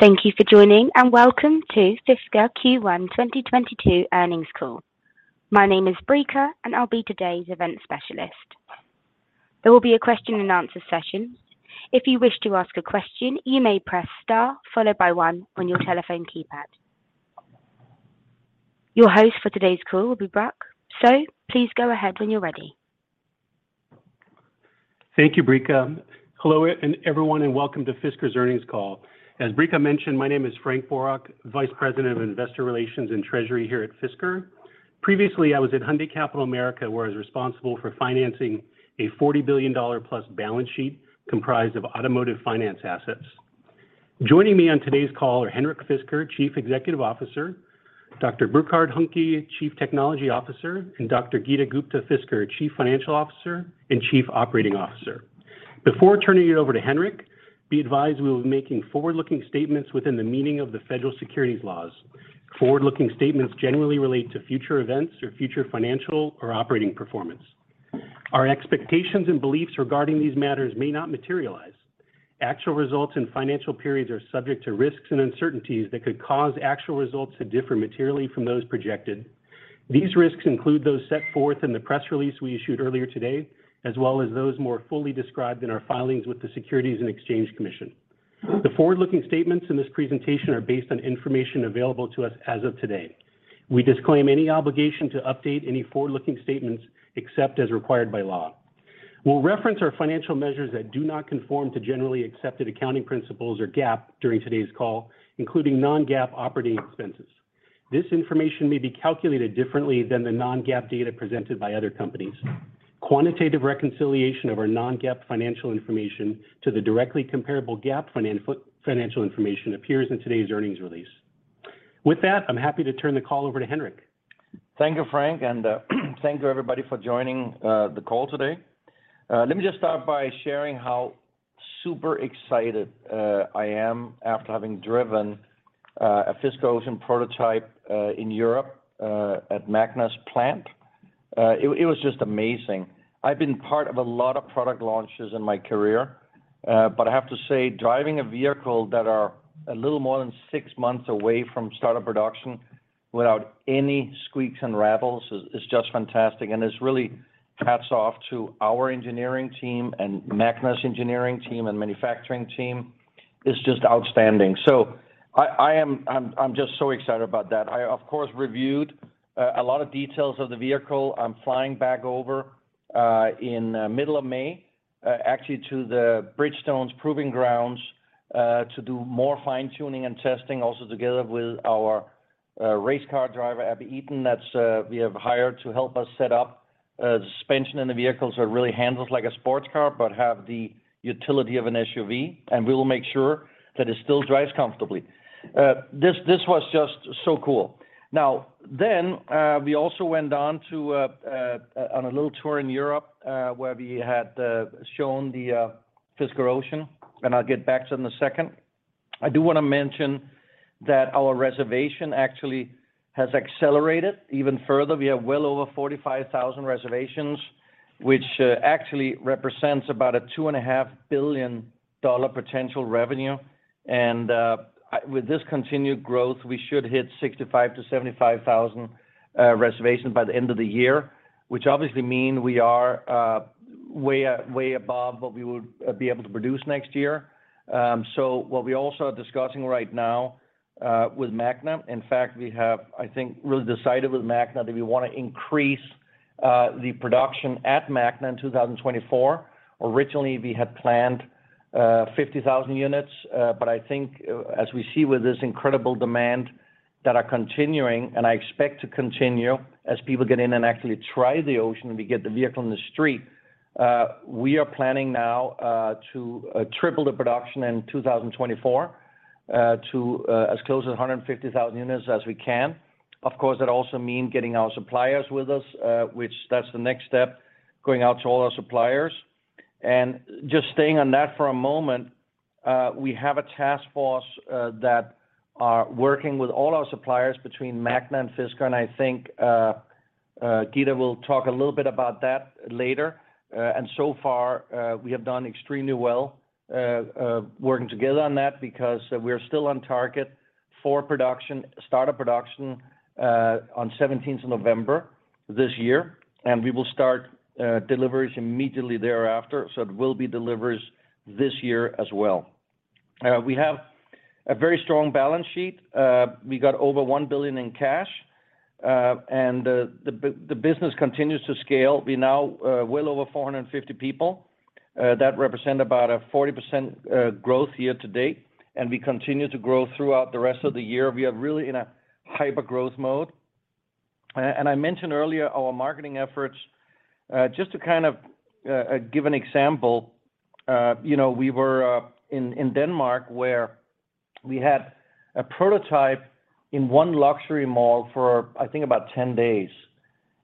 Thank you for joining, and welcome to Fisker Q1 2022 Earnings Call. My name is Brica, and I'll be today's event specialist. There will be a question and answer session. If you wish to ask a question, you may press Star followed by one on your telephone keypad. Your host for today's call will be Frank Boroch, so please go ahead when you're ready. Thank you, Brica. Hello everyone, and welcome to Fisker's earnings call. As Brica mentioned, my name is Frank Boroch, Vice President of Investor Relations and Treasury here at Fisker. Previously, I was at Hyundai Capital America, where I was responsible for financing a $40 billion+ balance sheet comprised of automotive finance assets. Joining me on today's call are Henrik Fisker, Chief Executive Officer, Dr. Burkhard Huhnke, Chief Technology Officer, and Dr. Geeta Gupta-Fisker, Chief Financial Officer and Chief Operating Officer. Before turning it over to Henrik, be advised we will be making forward-looking statements within the meaning of the federal securities laws. Forward-looking statements generally relate to future events or future financial or operating performance. Our expectations and beliefs regarding these matters may not materialize. Actual results in financial periods are subject to risks and uncertainties that could cause actual results to differ materially from those projected. These risks include those set forth in the press release we issued earlier today, as well as those more fully described in our filings with the Securities and Exchange Commission. The forward-looking statements in this presentation are based on information available to us as of today. We disclaim any obligation to update any forward-looking statements except as required by law. We'll reference our financial measures that do not conform to generally accepted accounting principles or GAAP during today's call, including non-GAAP operating expenses. This information may be calculated differently than the non-GAAP data presented by other companies. Quantitative reconciliation of our non-GAAP financial information to the directly comparable GAAP financial information appears in today's earnings release. With that, I'm happy to turn the call over to Henrik. Thank you, Frank, and thank you everybody for joining the call today. Let me just start by sharing how super excited I am after having driven a Fisker Ocean prototype in Europe at Magna's plant. It was just amazing. I've been part of a lot of product launches in my career, but I have to say driving a vehicle that are a little more than six months away from startup production without any squeaks and rattles is just fantastic. It's really hats off to our engineering team and Magna's engineering team and manufacturing team is just outstanding. I'm just so excited about that. I, of course, reviewed a lot of details of the vehicle. I'm flying back over in middle of May, actually to the Bridgestone's proving grounds to do more fine-tuning and testing, also together with our race car driver, Abbie Eaton, that's we have hired to help us set up suspension in the vehicles so it really handles like a sports car, but have the utility of an SUV, and we will make sure that it still drives comfortably. This was just so cool. We also went on to a little tour in Europe, where we had shown the Fisker Ocean, and I'll get back to it in a second. I do wanna mention that our reservation actually has accelerated even further. We have well over 45,000 reservations, which actually represents about a $2.5 billion potential revenue. With this continued growth, we should hit 65,000-75,000 reservations by the end of the year, which obviously mean we are way above what we will be able to produce next year. What we also are discussing right now with Magna, in fact, we have, I think, really decided with Magna that we wanna increase the production at Magna in 2024. Originally, we had planned 50,000 units, but I think as we see with this incredible demand that are continuing, and I expect to continue as people get in and actually try the Ocean and we get the vehicle on the street, we are planning now to triple the production in 2024 to as close as 150,000 units as we can. Of course, that also mean getting our suppliers with us, which that's the next step, going out to all our suppliers. Just staying on that for a moment, we have a task force that are working with all our suppliers between Magna and Fisker, and I think Geeta will talk a little bit about that later. So far, we have done extremely well working together on that because we're still on target for production, startup production on 17th of November this year, and we will start deliveries immediately thereafter. It will be deliveries this year as well. We have a very strong balance sheet. We got over $1 billion in cash, and the business continues to scale. We now well over 450 people that represent about a 40% growth year to date, and we continue to grow throughout the rest of the year. We are really in a hyper growth mode. I mentioned earlier our marketing efforts. Just to kind of give an example, you know, we were in Denmark where we had a prototype in one luxury mall for I think about 10 days.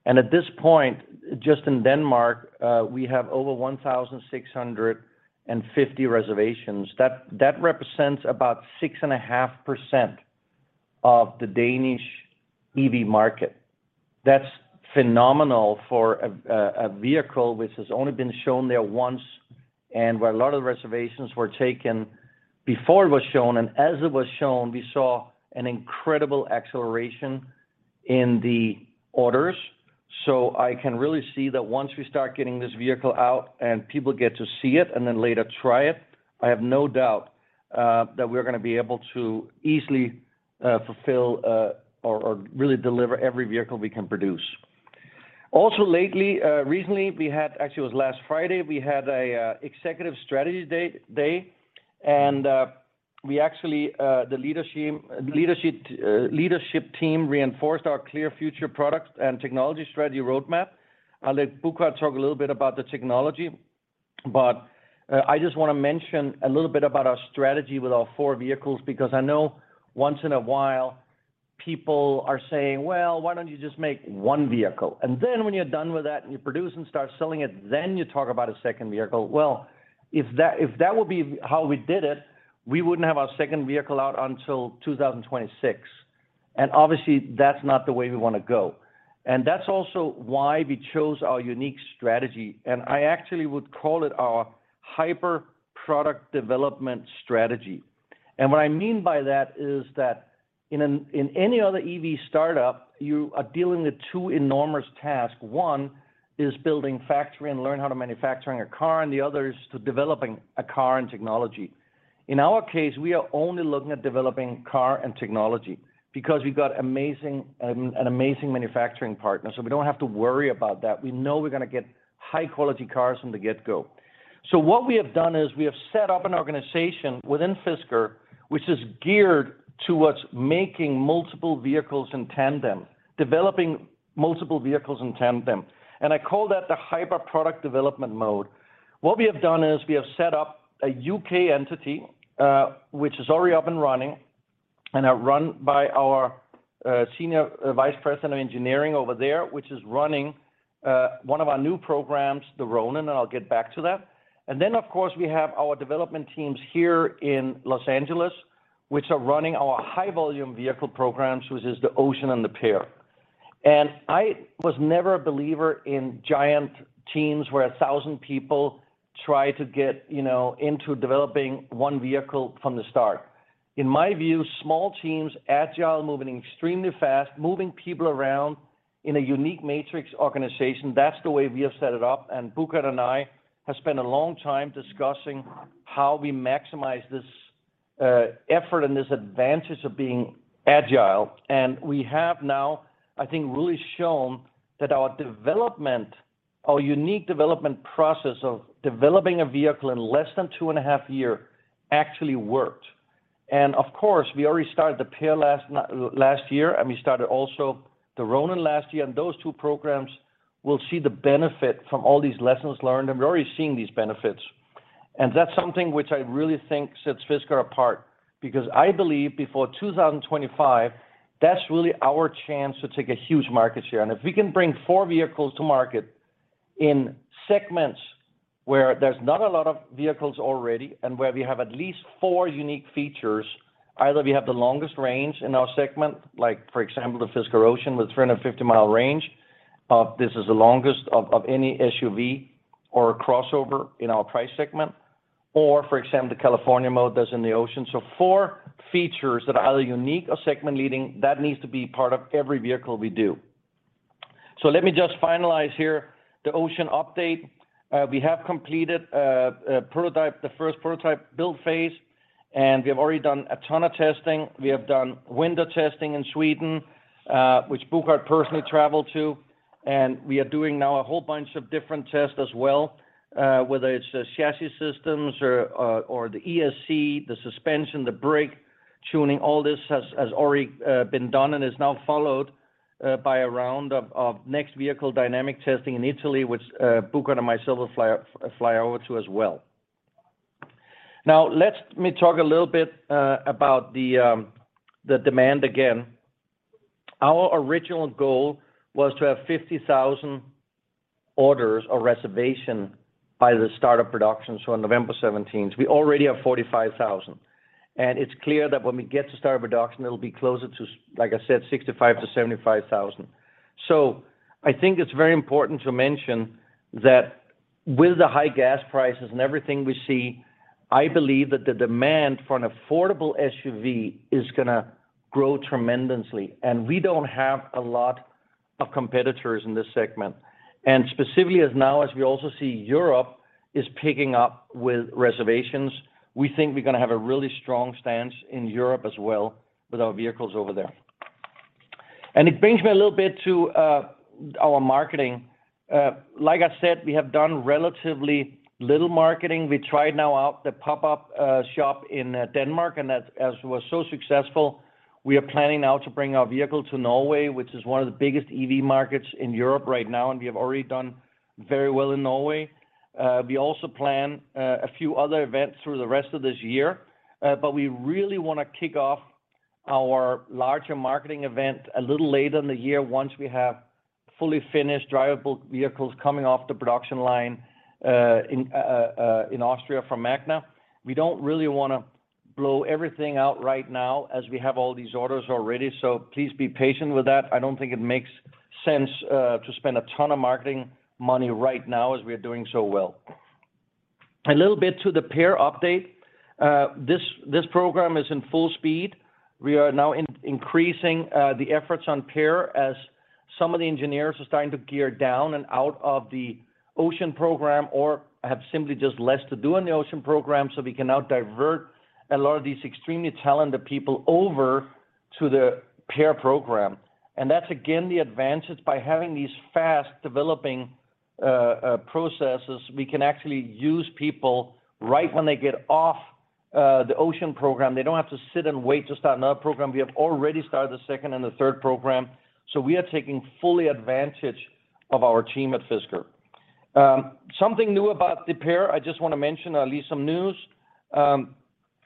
At this point, just in Denmark, we have over 1,650 reservations. That represents about 6.5% of the Danish EV market. That's phenomenal for a vehicle which has only been shown there once, and where a lot of the reservations were taken before it was shown. As it was shown, we saw an incredible acceleration in the orders. I can really see that once we start getting this vehicle out and people get to see it, and then later try it, I have no doubt that we're gonna be able to easily fulfill or really deliver every vehicle we can produce. Also lately, recently, we had actually. It was last Friday, we had an executive strategy day, and actually the leadership team reinforced our clear future product and technology strategy roadmap. I'll let Burkhard talk a little bit about the technology, but I just wanna mention a little bit about our strategy with our four vehicles, because I know once in a while people are saying, "Well, why don't you just make one vehicle? Then when you're done with that, and you produce and start selling it, then you talk about a second vehicle." Well, if that would be how we did it, we wouldn't have our second vehicle out until 2026. Obviously, that's not the way we wanna go. That's also why we chose our unique strategy, and I actually would call it our hyper product development strategy. What I mean by that is that in any other EV startup, you are dealing with two enormous tasks. One is building factory and learn how to manufacturing a car, and the other is to developing a car and technology. In our case, we are only looking at developing car and technology because we've got amazing, an amazing manufacturing partner, so we don't have to worry about that. We know we're gonna get high-quality cars from the get-go. What we have done is we have set up an organization within Fisker which is geared towards making multiple vehicles in tandem, developing multiple vehicles in tandem, and I call that the hyper product development mode. What we have done is we have set up a UK entity, which is already up and running and are run by our senior vice president of engineering over there, which is running one of our new programs, the Ronin, and I'll get back to that. Of course, we have our development teams here in Los Angeles, which are running our high-volume vehicle programs, which is the Ocean and the PEAR. I was never a believer in giant teams where 1,000 people try to get, you know, into developing one vehicle from the start. In my view, small teams, agile, moving extremely fast, moving people around in a unique matrix organization, that's the way we have set it up. Burkhard Huhnke and I have spent a long time discussing how we maximize this effort and this advantage of being agile. We have now, I think, really shown that our development, our unique development process of developing a vehicle in less than 2.5 years actually worked. Of course, we already started the PEAR last year, and we started also the Ronin last year, and those two programs will see the benefit from all these lessons learned, and we're already seeing these benefits. That's something which I really think sets Fisker apart, because I believe before 2025, that's really our chance to take a huge market share. If we can bring four vehicles to market in segments where there's not a lot of vehicles already, and where we have at least four unique features, either we have the longest range in our segment, like for example, the Fisker Ocean with 350-mile range, this is the longest of any SUV or crossover in our price segment, or for example, the California Mode that's in the Ocean. Four features that are either unique or segment leading, that needs to be part of every vehicle we do. Let me just finalize here the Ocean update. We have completed a prototype, the first prototype build phase, and we have already done a ton of testing. We have done winter testing in Sweden, which Burkhard Huhnke personally traveled to, and we are doing now a whole bunch of different tests as well, whether it's the chassis systems or the ESC, the suspension, the brake tuning, all this has already been done and is now followed by a round of next vehicle dynamic testing in Italy, which Burkhard Huhnke and myself will fly over to as well. Now, let me talk a little bit about the demand again. Our original goal was to have 50,000 orders or reservations by the start of production, so on November seventeenth. So we already have 45,000. It's clear that when we get to start of production, it'll be closer to like I said, 65,000-75,000. I think it's very important to mention that with the high gas prices and everything we see, I believe that the demand for an affordable SUV is gonna grow tremendously, and we don't have a lot of competitors in this segment. Specifically, now as we also see Europe is picking up with reservations, we think we're gonna have a really strong stance in Europe as well with our vehicles over there. It brings me a little bit to our marketing. Like I said, we have done relatively little marketing. We tried out the pop-up shop in Denmark, and that was so successful, we are planning now to bring our vehicle to Norway, which is one of the biggest EV markets in Europe right now, and we have already done very well in Norway. We also plan a few other events through the rest of this year, but we really wanna kick off our larger marketing event a little later in the year once we have fully finished drivable vehicles coming off the production line in Austria from Magna. We don't really wanna blow everything out right now as we have all these orders already, so please be patient with that. I don't think it makes sense to spend a ton of marketing money right now as we are doing so well. A little bit to the PEAR update. This program is in full speed. We are now increasing the efforts on PEAR as some of the engineers are starting to gear down and out of the Ocean program or have simply just less to do on the Ocean program, so we can now divert a lot of these extremely talented people over to the PEAR program. That's again the advantage by having these fast-developing processes, we can actually use people right when they get off the Ocean program. They don't have to sit and wait to start another program. We have already started the second and the third program, so we are taking fully advantage of our team at Fisker. Something new about the PEAR, I just wanna mention at least some news.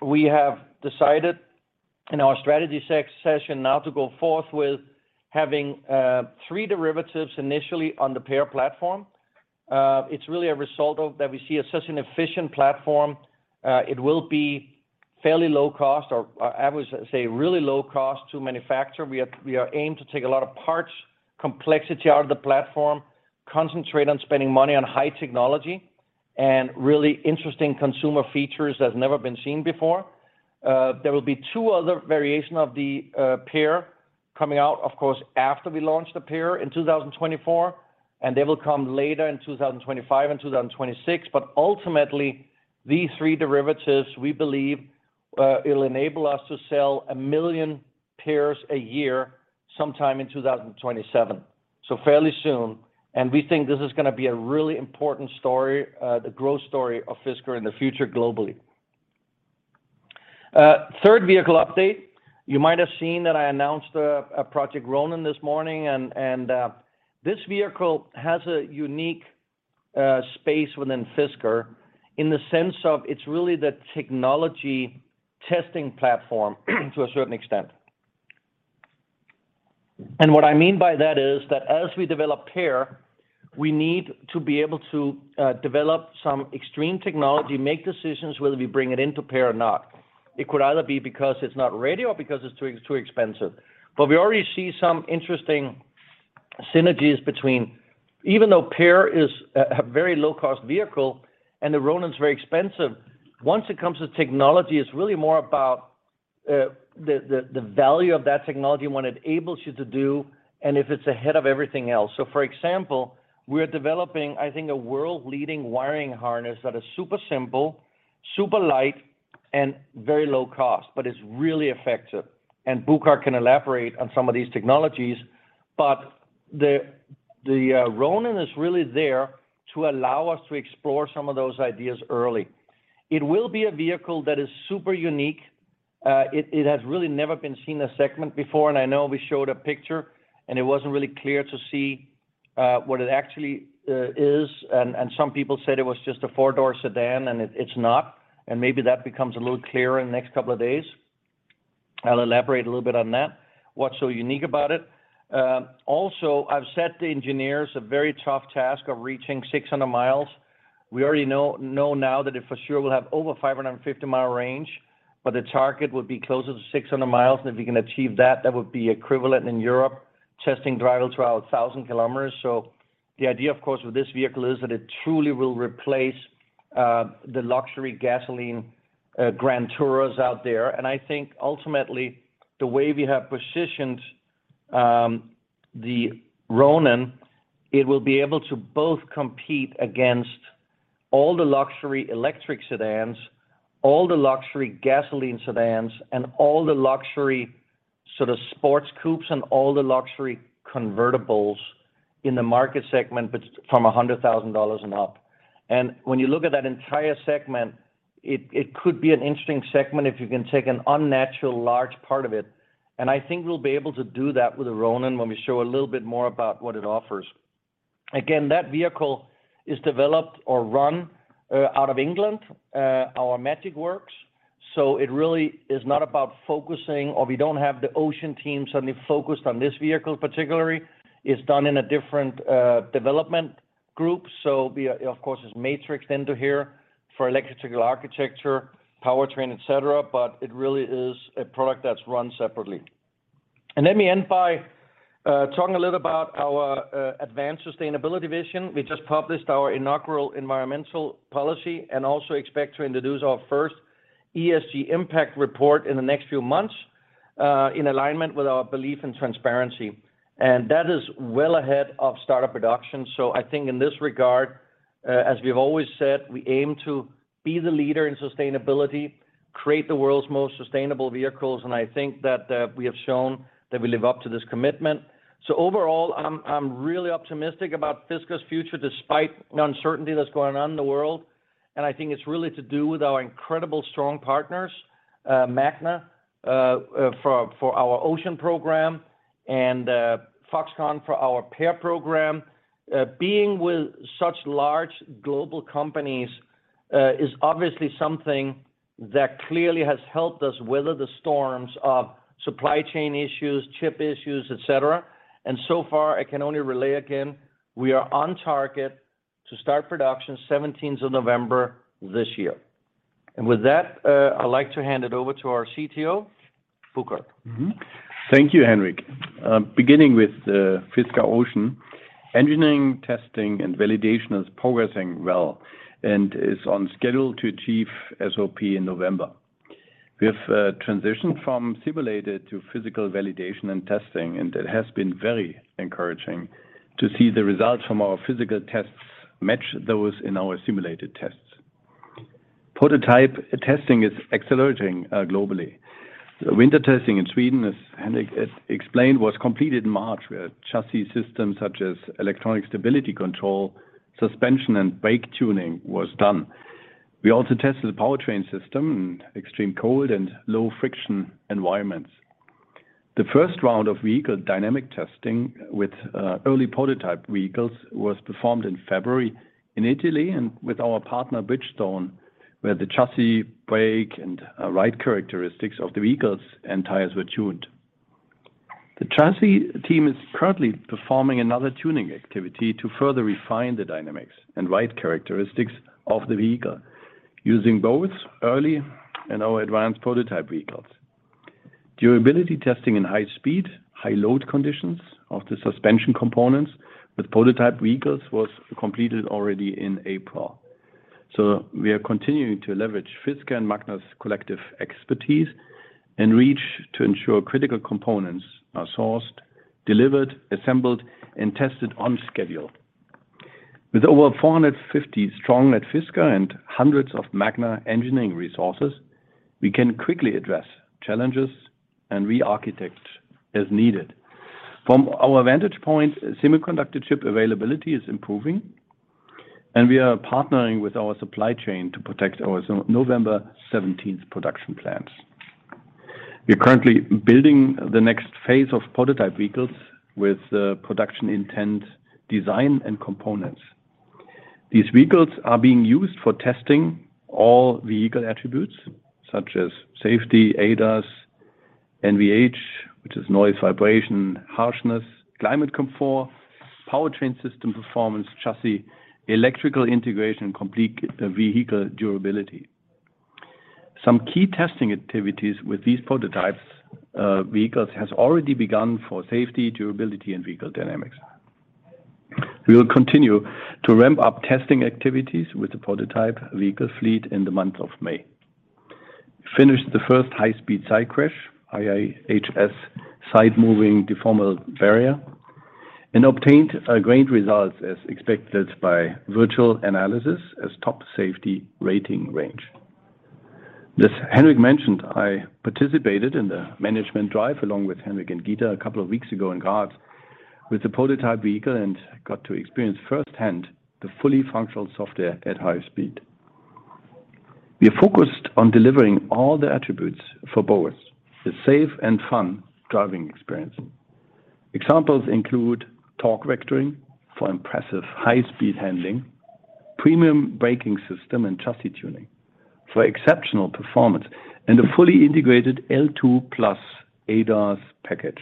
We have decided in our strategy session now to go forth with having three derivatives initially on the PEAR platform. It's really a result of that we see as such an efficient platform. It will be fairly low cost or I would say really low cost to manufacture. We are aimed to take a lot of parts complexity out of the platform, concentrate on spending money on high technology and really interesting consumer features that's never been seen before. There will be two other variations of the PEAR coming out, of course, after we launch the PEAR in 2024, and they will come later in 2025 and 2026. Ultimately, these three derivatives, we believe, it'll enable us to sell 1 million PEARs a year sometime in 2027, so fairly soon. We think this is gonna be a really important story, the growth story of Fisker in the future globally. Third vehicle update. You might have seen that I announced Project Ronin this morning, and this vehicle has a unique space within Fisker in the sense of it's really the technology testing platform to a certain extent. What I mean by that is that as we develop PEAR, we need to be able to develop some extreme technology, make decisions whether we bring it into PEAR or not. It could either be because it's not ready or because it's too expensive. We already see some interesting synergies between, even though PEAR is a very low-cost vehicle and the Ronin's very expensive, once it comes to technology, it's really more about the value of that technology, what it enables you to do, and if it's ahead of everything else. For example, we're developing, I think, a world-leading wiring harness that is super simple, super light, and very low cost, but it's really effective. Burkhard can elaborate on some of these technologies, but the Ronin is really there to allow us to explore some of those ideas early. It will be a vehicle that is super unique. It has really never been seen in a segment before, and I know we showed a picture, and it wasn't really clear to see what it actually is. Some people said it was just a four-door sedan, and it's not. Maybe that becomes a little clearer in the next couple of days. I'll elaborate a little bit on that, what's so unique about it. Also, I've set the engineers a very tough task of reaching 600 miles. We already know now that it for sure will have over 550-mile range, but the target would be closer to 600 miles. If we can achieve that would be equivalent in European testing drivable to 1,000 kilometers. The idea, of course, with this vehicle is that it truly will replace the luxury gasoline grand tourers out there. I think ultimately, the way we have positioned, the Ronin, it will be able to both compete against all the luxury electric sedans, all the luxury gasoline sedans, and all the luxury sort of sports coupes and all the luxury convertibles in the market segment, but from $100,000 and up. When you look at that entire segment, it could be an interesting segment if you can take an unnaturally large part of it. I think we'll be able to do that with the Ronin when we show a little bit more about what it offers. Again, that vehicle is developed and run out of England, our Magic Works. It really is not about focusing or we don't have the Ocean team suddenly focused on this vehicle particularly. It's done in a different development group. We, of course, it's matrixed into here for electrical architecture, powertrain, et cetera, but it really is a product that's run separately. Let me end by talking a little about our advanced sustainability vision. We just published our inaugural environmental policy and also expect to introduce our first ESG impact report in the next few months, in alignment with our belief in transparency. That is well ahead of startup production. I think in this regard, as we've always said, we aim to be the leader in sustainability, create the world's most sustainable vehicles, and I think that, we have shown that we live up to this commitment. Overall, I'm really optimistic about Fisker's future despite the uncertainty that's going on in the world. I think it's really to do with our incredible strong partners, Magna, for our Ocean program and, Foxconn for our PEAR program. Being with such large global companies is obviously something that clearly has helped us weather the storms of supply chain issues, chip issues, et cetera. So far, I can only relay again, we are on target to start production seventeenth of November this year. With that, I'd like to hand it over to our CTO, Burkhard. Thank you, Henrik. Beginning with Fisker Ocean. Engineering, testing, and validation is progressing well and is on schedule to achieve SOP in November. We have transitioned from simulated to physical validation and testing, and it has been very encouraging to see the results from our physical tests match those in our simulated tests. Prototype testing is accelerating globally. Winter testing in Sweden, as Henrik explained, was completed in March. Chassis systems such as electronic stability control, suspension, and brake tuning was done. We also tested the powertrain system in extreme cold and low friction environments. The first round of vehicle dynamic testing with early prototype vehicles was performed in February in Italy and with our partner Bridgestone, where the chassis, brake, and ride characteristics of the vehicles and tires were tuned. The chassis team is currently performing another tuning activity to further refine the dynamics and ride characteristics of the vehicle using both early and our advanced prototype vehicles. Durability testing in high speed, high load conditions of the suspension components with prototype vehicles was completed already in April. We are continuing to leverage Fisker and Magna's collective expertise and reach to ensure critical components are sourced, delivered, assembled, and tested on schedule. With over 450 strong at Fisker and hundreds of Magna engineering resources, we can quickly address challenges and re-architect as needed. From our vantage point, semiconductor chip availability is improving, and we are partnering with our supply chain to protect our November seventeenth production plans. We are currently building the next phase of prototype vehicles with production intent design and components. These vehicles are being used for testing all vehicle attributes such as safety, ADAS, NVH, which is noise vibration harshness, climate comfort, powertrain system performance, chassis, electrical integration, complete vehicle durability. Some key testing activities with these prototypes, vehicles has already begun for safety, durability, and vehicle dynamics. We will continue to ramp up testing activities with the prototype vehicle fleet in the month of May. Finished the first high-speed side crash, IIHS side moving deformable barrier, and obtained great results as expected by virtual analysis as top safety rating range. As Henrik mentioned, I participated in the management drive along with Henrik and Geeta a couple of weeks ago in Graz with the prototype vehicle and got to experience firsthand the fully functional software at high speed. We are focused on delivering all the attributes for both the safe and fun driving experience. Examples include torque vectoring for impressive high-speed handling, premium braking system and chassis tuning for exceptional performance, and a fully integrated L2+ ADAS package.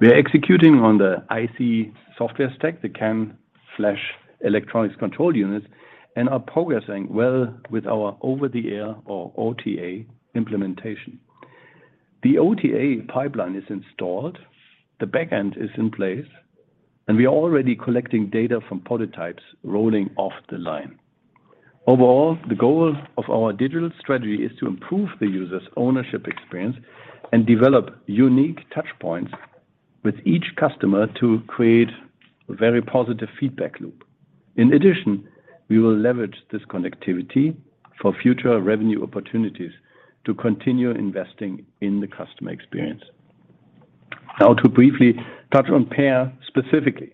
We are executing on the IVI software stack, the CAN flash electronic control units, and are progressing well with our over-the-air or OTA implementation. The OTA pipeline is installed, the back end is in place, and we are already collecting data from prototypes rolling off the line. Overall, the goal of our digital strategy is to improve the user's ownership experience and develop unique touch points with each customer to create a very positive feedback loop. In addition, we will leverage this connectivity for future revenue opportunities to continue investing in the customer experience. Now to briefly touch on PEAR specifically.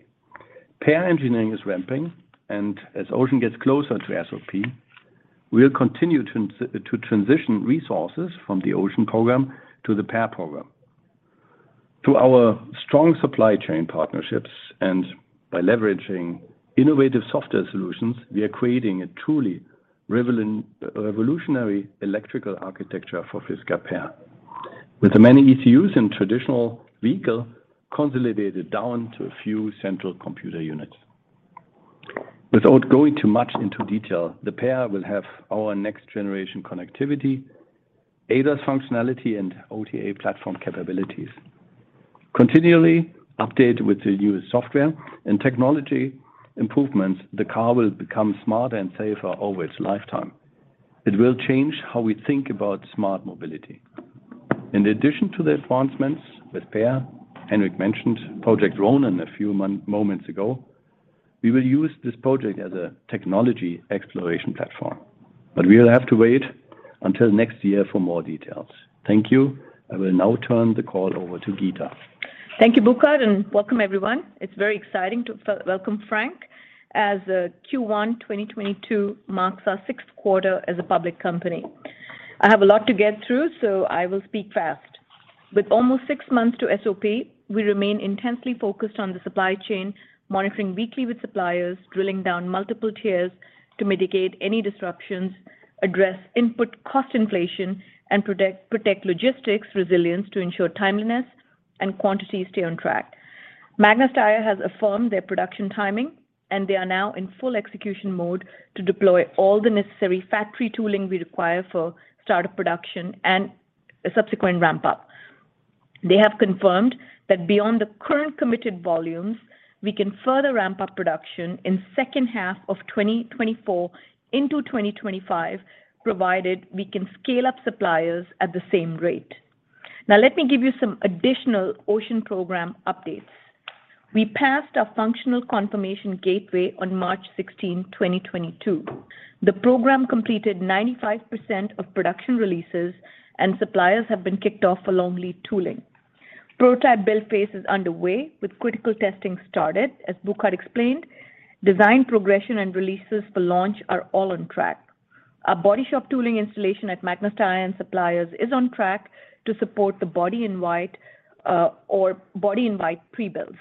PEAR engineering is ramping, and as Ocean gets closer to SOP, we'll continue to transition resources from the Ocean program to the PEAR program. Through our strong supply chain partnerships and by leveraging innovative software solutions, we are creating a truly revolutionary electrical architecture for Fisker PEAR, with the many ECUs in traditional vehicle consolidated down to a few central computer units. Without going too much into detail, the PEAR will have our next-generation connectivity, ADAS functionality, and OTA platform capabilities. Continually updated with the newest software and technology improvements, the car will become smarter and safer over its lifetime. It will change how we think about smart mobility. In addition to the advancements with PEAR, Henrik mentioned Project Ronin a few moments ago. We will use this project as a technology exploration platform, but we'll have to wait until next year for more details. Thank you. I will now turn the call over to Geeta. Thank you, Burkhard, and welcome everyone. It's very exciting to welcome Frank as Q1 2022 marks our 6th quarter as a public company. I have a lot to get through, so I will speak fast. With almost six months to SOP, we remain intensely focused on the supply chain, monitoring weekly with suppliers, drilling down multiple tiers to mitigate any disruptions, address input cost inflation, and protect logistics resilience to ensure timeliness and quantity stay on track. Magna Steyr has affirmed their production timing, and they are now in full execution mode to deploy all the necessary factory tooling we require for start of production and a subsequent ramp-up. They have confirmed that beyond the current committed volume, we can further ramp up production in second half of 2024 into 2025, provided we can scale up suppliers at the same rate. Now, let me give you some additional Ocean program updates. We passed our functional confirmation gateway on March 16th, 2022. The program completed 95% of production releases and suppliers have been kicked off for long lead tooling. Prototype build phase is underway with critical testing started, as Burkhard Huhnke explained. Design progression and releases for launch are all on track. Our body shop tooling installation at Magna Steyr and suppliers is on track to support the body in white, or body in white pre-builds.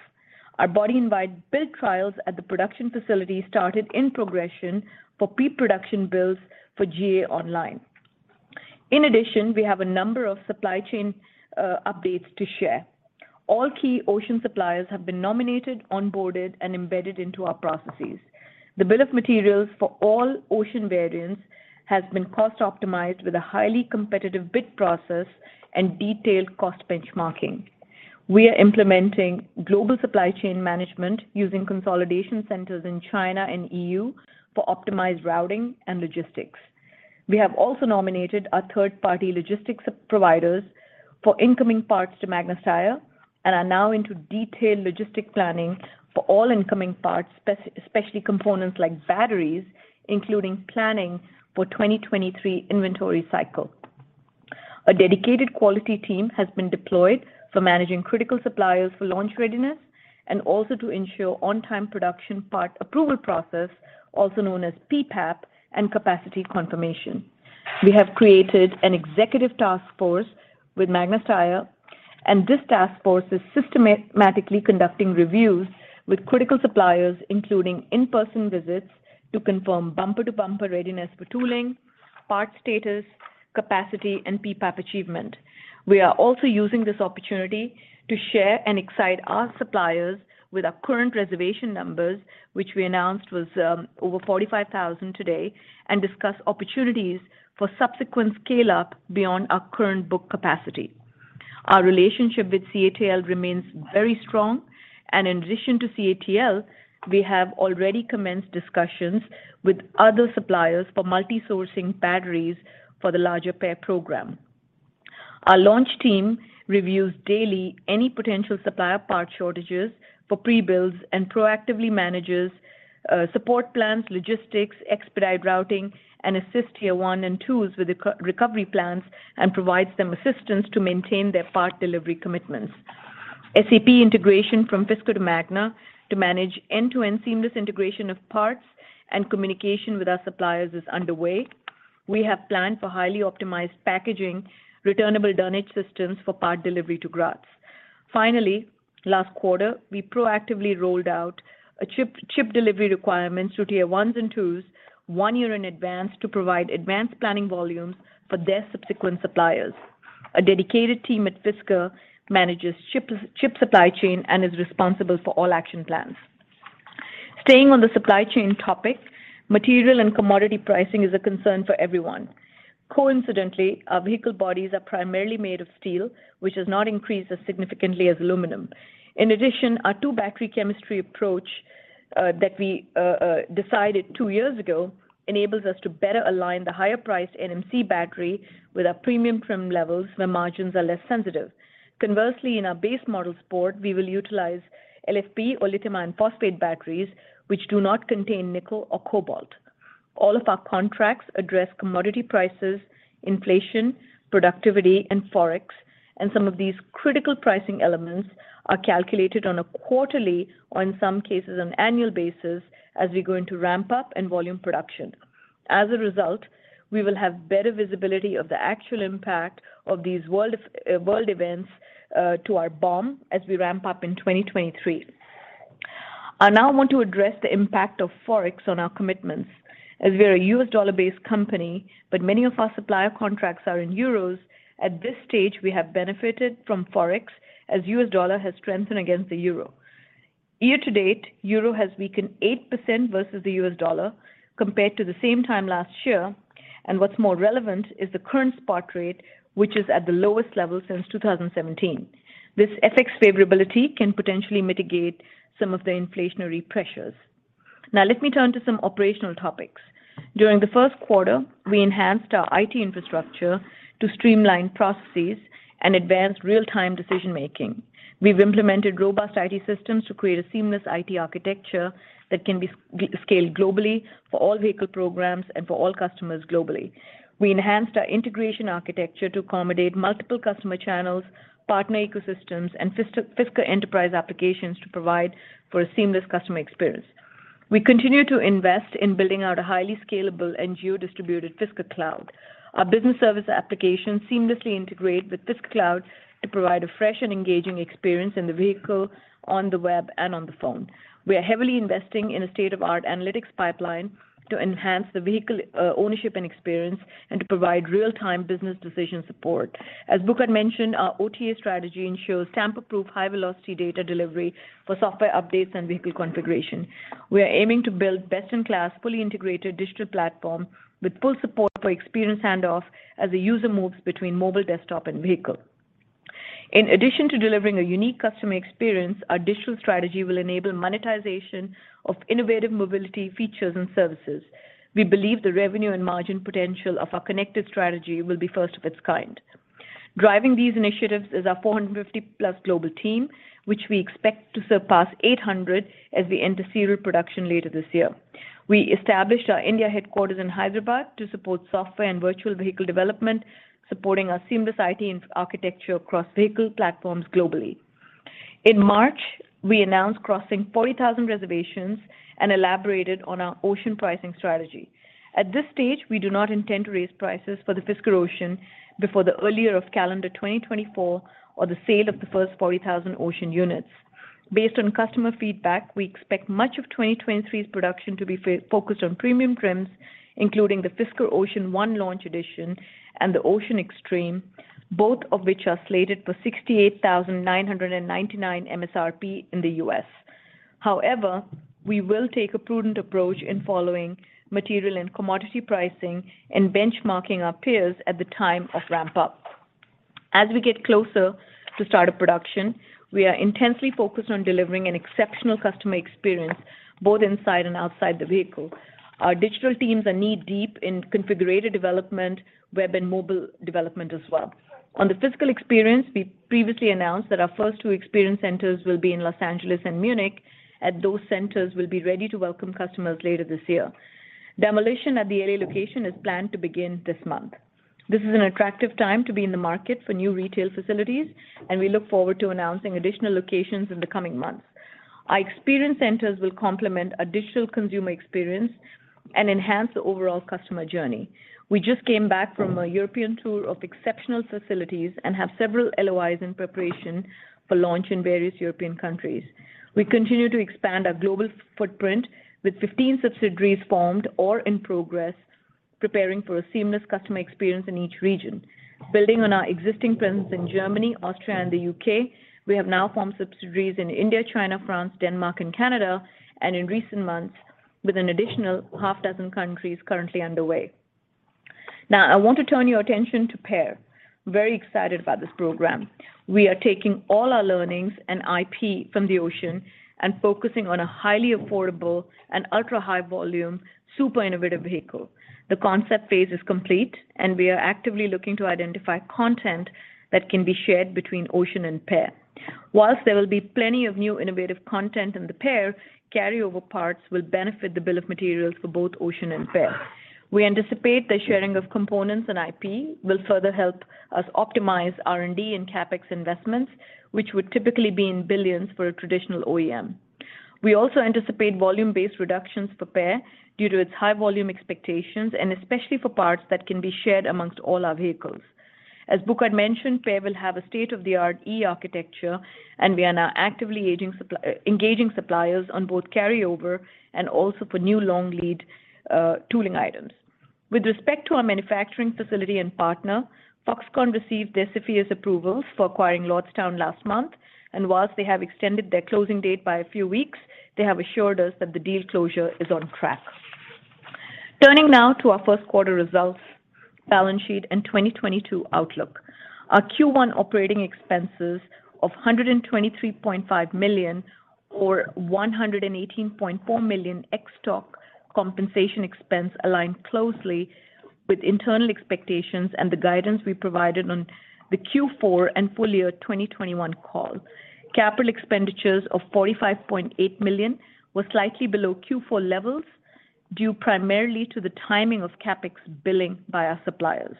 Our body in white build trials at the production facility started in progression for pre-production builds for GA online. In addition, we have a number of supply chain updates to share. All key Ocean suppliers have been nominated, onboarded, and embedded into our processes. The bill of materials for all Ocean variants has been cost-optimized with a highly competitive bid process and detailed cost benchmarking. We are implementing global supply chain management using consolidation centers in China and EU for optimized routing and logistics. We have also nominated our third-party logistics providers for incoming parts to Magna Steyr and are now into detailed logistics planning for all incoming parts, especially components like batteries, including planning for 2023 inventory cycle. A dedicated quality team has been deployed for managing critical suppliers for launch readiness and also to ensure on-time Production Part Approval Process, also known as PPAP, and capacity confirmation. We have created an executive task force with Magna Steyr, and this task force is systematically conducting reviews with critical suppliers, including in-person visits, to confirm bumper-to-bumper readiness for tooling, part status, capacity, and PPAP achievement. We are also using this opportunity to share and excite our suppliers with our current reservation numbers, which we announced was over 45,000 today, and discuss opportunities for subsequent scale-up beyond our current book capacity. Our relationship with CATL remains very strong, and in addition to CATL, we have already commenced discussions with other suppliers for multi-sourcing batteries for the larger PEAR program. Our launch team reviews daily any potential supplier part shortages for pre-builds and proactively manages support plans, logistics, expedite routing, and assists tier one and twos with recovery plans and provides them assistance to maintain their part delivery commitments. SAP integration from Fisker to Magna to manage end-to-end seamless integration of parts and communication with our suppliers is underway. We have planned for highly optimized packaging returnable dunnage systems for part delivery to Graz. Finally, last quarter, we proactively rolled out a chip delivery requirements to Tier 1s and 2s 1 year in advance to provide advanced planning volumes for their subsequent suppliers. A dedicated team at Fisker manages chip supply chain and is responsible for all action plans. Staying on the supply chain topic, material and commodity pricing is a concern for everyone. Coincidentally, our vehicle bodies are primarily made of steel, which has not increased as significantly as aluminum. In addition, our two-battery chemistry approach that we decided two years ago enables us to better align the higher priced NMC battery with our premium trim levels, where margins are less sensitive. Conversely, in our base model Sport, we will utilize LFP or lithium iron phosphate batteries, which do not contain nickel or cobalt. All of our contracts address commodity prices, inflation, productivity, and Forex, and some of these critical pricing elements are calculated on a quarterly or in some cases, an annual basis as we go into ramp-up and volume production. As a result, we will have better visibility of the actual impact of these world events to our BOM as we ramp up in 2023. I now want to address the impact of Forex on our commitments. As we're a US dollar-based company, but many of our supplier contracts are in euros, at this stage, we have benefited from Forex as US dollar has strengthened against the euro. Year to date, euro has weakened 8% versus the US dollar compared to the same time last year. What's more relevant is the current spot rate, which is at the lowest level since 2017. This FX favorability can potentially mitigate some of the inflationary pressures. Now let me turn to some operational topics. During the first quarter, we enhanced our IT infrastructure to streamline processes and advance real-time decision-making. We've implemented robust IT systems to create a seamless IT architecture that can be scaled globally for all vehicle programs and for all customers globally. We enhanced our integration architecture to accommodate multiple customer channels, partner ecosystems, and Fisker enterprise applications to provide for a seamless customer experience. We continue to invest in building out a highly scalable and geo-distributed Fisker Cloud. Our business service applications seamlessly integrate with Fisker Cloud to provide a fresh and engaging experience in the vehicle, on the web, and on the phone. We are heavily investing in a state-of-the-art analytics pipeline to enhance the vehicle ownership and experience and to provide real-time business decision support. As Burkhard had mentioned, our OTA strategy ensures tamper-proof, high-velocity data delivery for software updates and vehicle configuration. We are aiming to build best-in-class, fully integrated digital platform with full support for experience handoff as the user moves between mobile, desktop, and vehicle. In addition to delivering a unique customer experience, our digital strategy will enable monetization of innovative mobility features and services. We believe the revenue and margin potential of our connected strategy will be first of its kind. Driving these initiatives is our 450+ global team, which we expect to surpass 800 as we enter serial production later this year. We established our India headquarters in Hyderabad to support software and virtual vehicle development, supporting our seamless IT and architecture across vehicle platforms globally. In March, we announced crossing 40,000 reservations and elaborated on our Ocean pricing strategy. At this stage, we do not intend to raise prices for the Fisker Ocean before the earlier of calendar 2024 or the sale of the first 40,000 Ocean units. Based on customer feedback, we expect much of 2023's production to be focused on premium trims, including the Fisker Ocean One Launch Edition and the Ocean Extreme, both of which are slated for $68,999 MSRP in the US. However, we will take a prudent approach in following material and commodity pricing and benchmarking our peers at the time of ramp-up. As we get closer to start of production, we are intensely focused on delivering an exceptional customer experience both inside and outside the vehicle. Our digital teams are knee-deep in configurator development, web and mobile development as well. On the physical experience, we previously announced that our first two experience centers will be in Los Angeles and Munich, and those centers will be ready to welcome customers later this year. Demolition at the L.A. location is planned to begin this month. This is an attractive time to be in the market for new retail facilities, and we look forward to announcing additional locations in the coming months. Our experience centers will complement our digital consumer experience and enhance the overall customer journey. We just came back from a European tour of exceptional facilities and have several LOIs in preparation for launch in various European countries. We continue to expand our global footprint with 15 subsidiaries formed or in progress, preparing for a seamless customer experience in each region. Building on our existing presence in Germany, Austria, and the UK, we have now formed subsidiaries in India, China, France, Denmark, and Canada, and in recent months, with an additional half dozen countries currently underway. Now, I want to turn your attention to PEAR. Very excited about this program. We are taking all our learnings and IP from the Ocean and focusing on a highly affordable and ultra-high volume, super innovative vehicle. The concept phase is complete, and we are actively looking to identify content that can be shared between Ocean and PEAR. While there will be plenty of new innovative content in the PEAR, carryover parts will benefit the bill of materials for both Ocean and PEAR. We anticipate the sharing of components and IP will further help us optimize R&D and CapEx investments, which would typically be in billions for a traditional OEM. We also anticipate volume-based reductions for PEAR due to its high volume expectations and especially for parts that can be shared among all our vehicles. As Burkhard had mentioned, PEAR will have a state-of-the-art E/E architecture, and we are now actively engaging suppliers on both carryover and also for new long lead tooling items. With respect to our manufacturing facility and partner, Foxconn received the CFIUS approvals for acquiring Lordstown Motors last month, and while they have extended their closing date by a few weeks, they have assured us that the deal closure is on track. Turning now to our first quarter results, balance sheet, and 2022 outlook. Our Q1 operating expenses of $123.5 million or $118.4 million ex-stock compensation expense aligned closely with internal expectations and the guidance we provided on the Q4 and full-year 2021 call. Capital expenditures of $45.8 million were slightly below Q4 levels, due primarily to the timing of CapEx billing by our suppliers.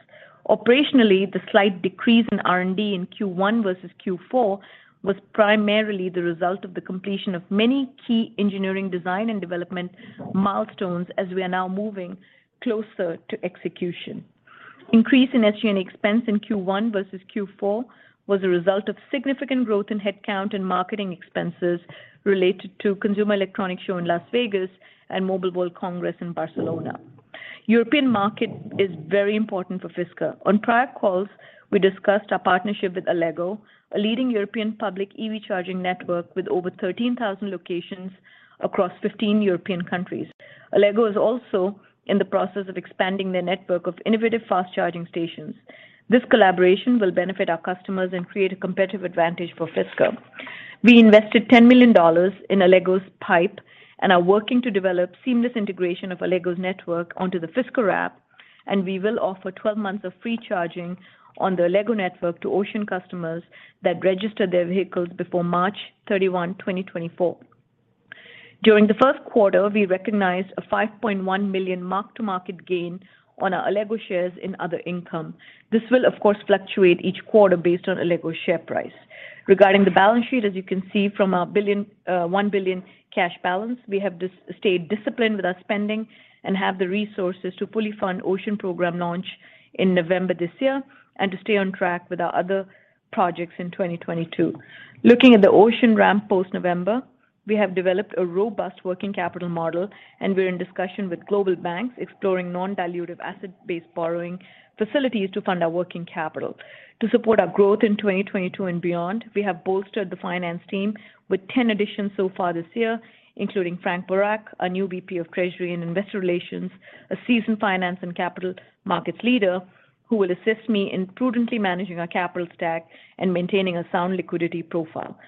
Operationally, the slight decrease in R&D in Q1 versus Q4 was primarily the result of the completion of many key engineering design and development milestones as we are now moving closer to execution. Increase in SG&A expense in Q1 versus Q4 was a result of significant growth in headcount and marketing expenses related to Consumer Electronics Show in Las Vegas and Mobile World Congress in Barcelona. European market is very important for Fisker. On prior calls, we discussed our partnership with Allego, a leading European public EV charging network with over 13,000 locations across 15 European countries. Allego is also in the process of expanding their network of innovative fast charging stations. This collaboration will benefit our customers and create a competitive advantage for Fisker. We invested $10 million in Allego's PIPE and are working to develop seamless integration of Allego's network onto the Fisker app, and we will offer 12 months of free charging on the Allego network to Ocean customers that register their vehicles before March 31st, 2024. During the first quarter, we recognized a $5.1 million mark-to-market gain on our Allego shares in other income. This will, of course, fluctuate each quarter based on Allego's share price. Regarding the balance sheet, as you can see from our $1 billion cash balance, we have stayed disciplined with our spending and have the resources to fully fund Ocean program launch in November this year and to stay on track with our other projects in 2022. Looking at the Ocean ramp post-November, we have developed a robust working capital model, and we're in discussion with global banks exploring non-dilutive asset-based borrowing facilities to fund our working capital. To support our growth in 2022 and beyond, we have bolstered the finance team with 10 additions so far this year, including Frank Boroch, a new VP of Treasury and Investor Relations, a seasoned finance and capital markets leader who will assist me in prudently managing our capital stack and maintaining a sound liquidity profile.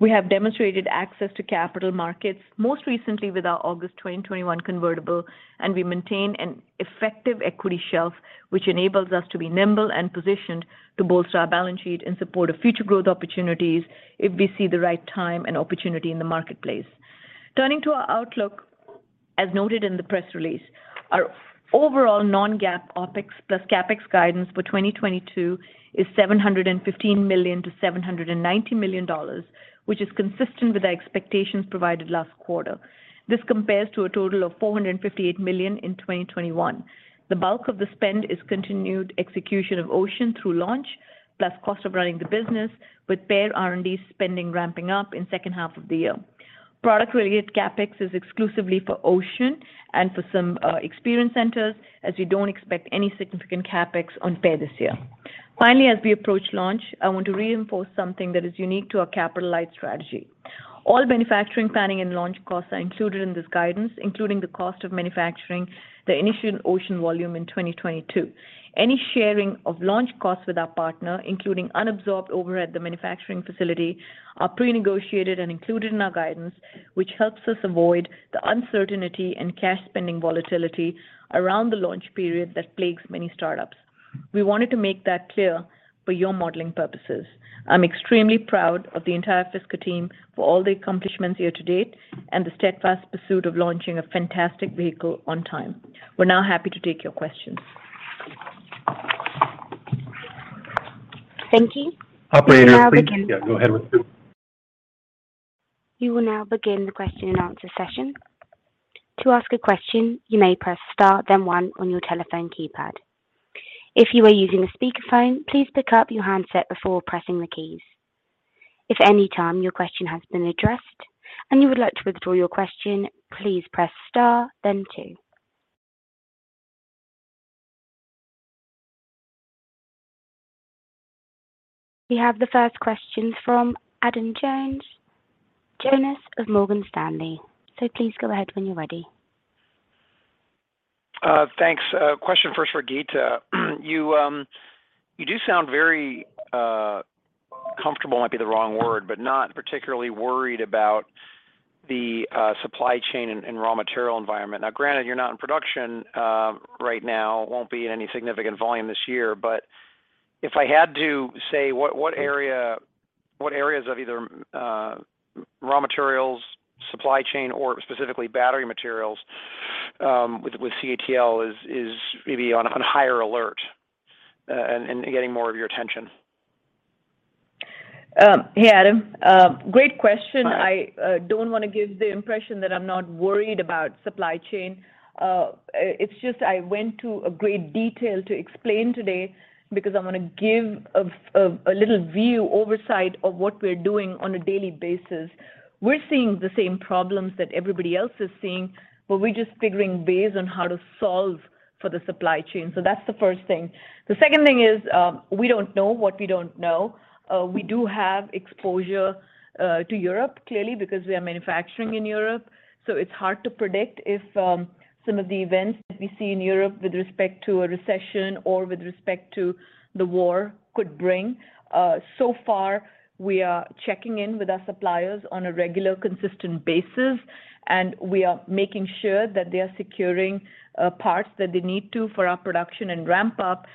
We have demonstrated access to capital markets, most recently with our August 2021 convertible, and we maintain an effective equity shelf, which enables us to be nimble and positioned to bolster our balance sheet in support of future growth opportunities if we see the right time and opportunity in the marketplace. Turning to our outlook, as noted in the press release, our overall non-GAAP OpEx plus CapEx guidance for 2022 is $715 million-$790 million, which is consistent with our expectations provided last quarter. This compares to a total of $458 million in 2021. The bulk of the spend is continued execution of Ocean through launch, plus cost of running the business with PEAR R&D spending ramping up in second half of the year. Product-related CapEx is exclusively for Ocean and for some experience centers, as we don't expect any significant CapEx on PEAR this year. Finally, as we approach launch, I want to reinforce something that is unique to our capitalized strategy. All manufacturing planning and launch costs are included in this guidance, including the cost of manufacturing the initial Ocean volume in 2022. Any sharing of launch costs with our partner, including unabsorbed overhead at the manufacturing facility, are prenegotiated and included in our guidance, which helps us avoid the uncertainty and cash spending volatility around the launch period that plagues many startups. We wanted to make that clear for your modeling purposes. I'm extremely proud of the entire Fisker team for all the accomplishments year to date and the steadfast pursuit of launching a fantastic vehicle on time. We're now happy to take your questions. Thank you, Operator. Go ahead, Brica. You will now begin the question and answer session. To ask a question, you may press star then one on your telephone keypad. If you are using a speakerphone, please pick up your handset before pressing the keys. If at any time your question has been addressed and you would like to withdraw your question, please press star then two. We have the first question from Adam Jonas of Morgan Stanley. Please go ahead when you're ready. Thanks. A question first for Geeta. You do sound very comfortable might be the wrong word, but not particularly worried about the supply chain and raw material environment. Now, granted, you're not in production right now, won't be in any significant volume this year. If I had to say, what areas of either raw materials, supply chain or specifically battery materials with CATL is maybe on higher alert and getting more of your attention? Hey, Adam. Great question. Hi. I don't wanna give the impression that I'm not worried about supply chain. It's just I went into great detail to explain today because I wanna give a little overview of what we're doing on a daily basis. We're seeing the same problems that everybody else is seeing, but we're just figuring out ways to solve for the supply chain. That's the first thing. The second thing is, we don't know what we don't know. We do have exposure to Europe, clearly, because we are manufacturing in Europe. It's hard to predict if some of the events that we see in Europe with respect to a recession or with respect to the war could bring. So far we are checking in with our suppliers on a regular consistent basis, and we are making sure that they are securing parts that they need to for our production and ramp up.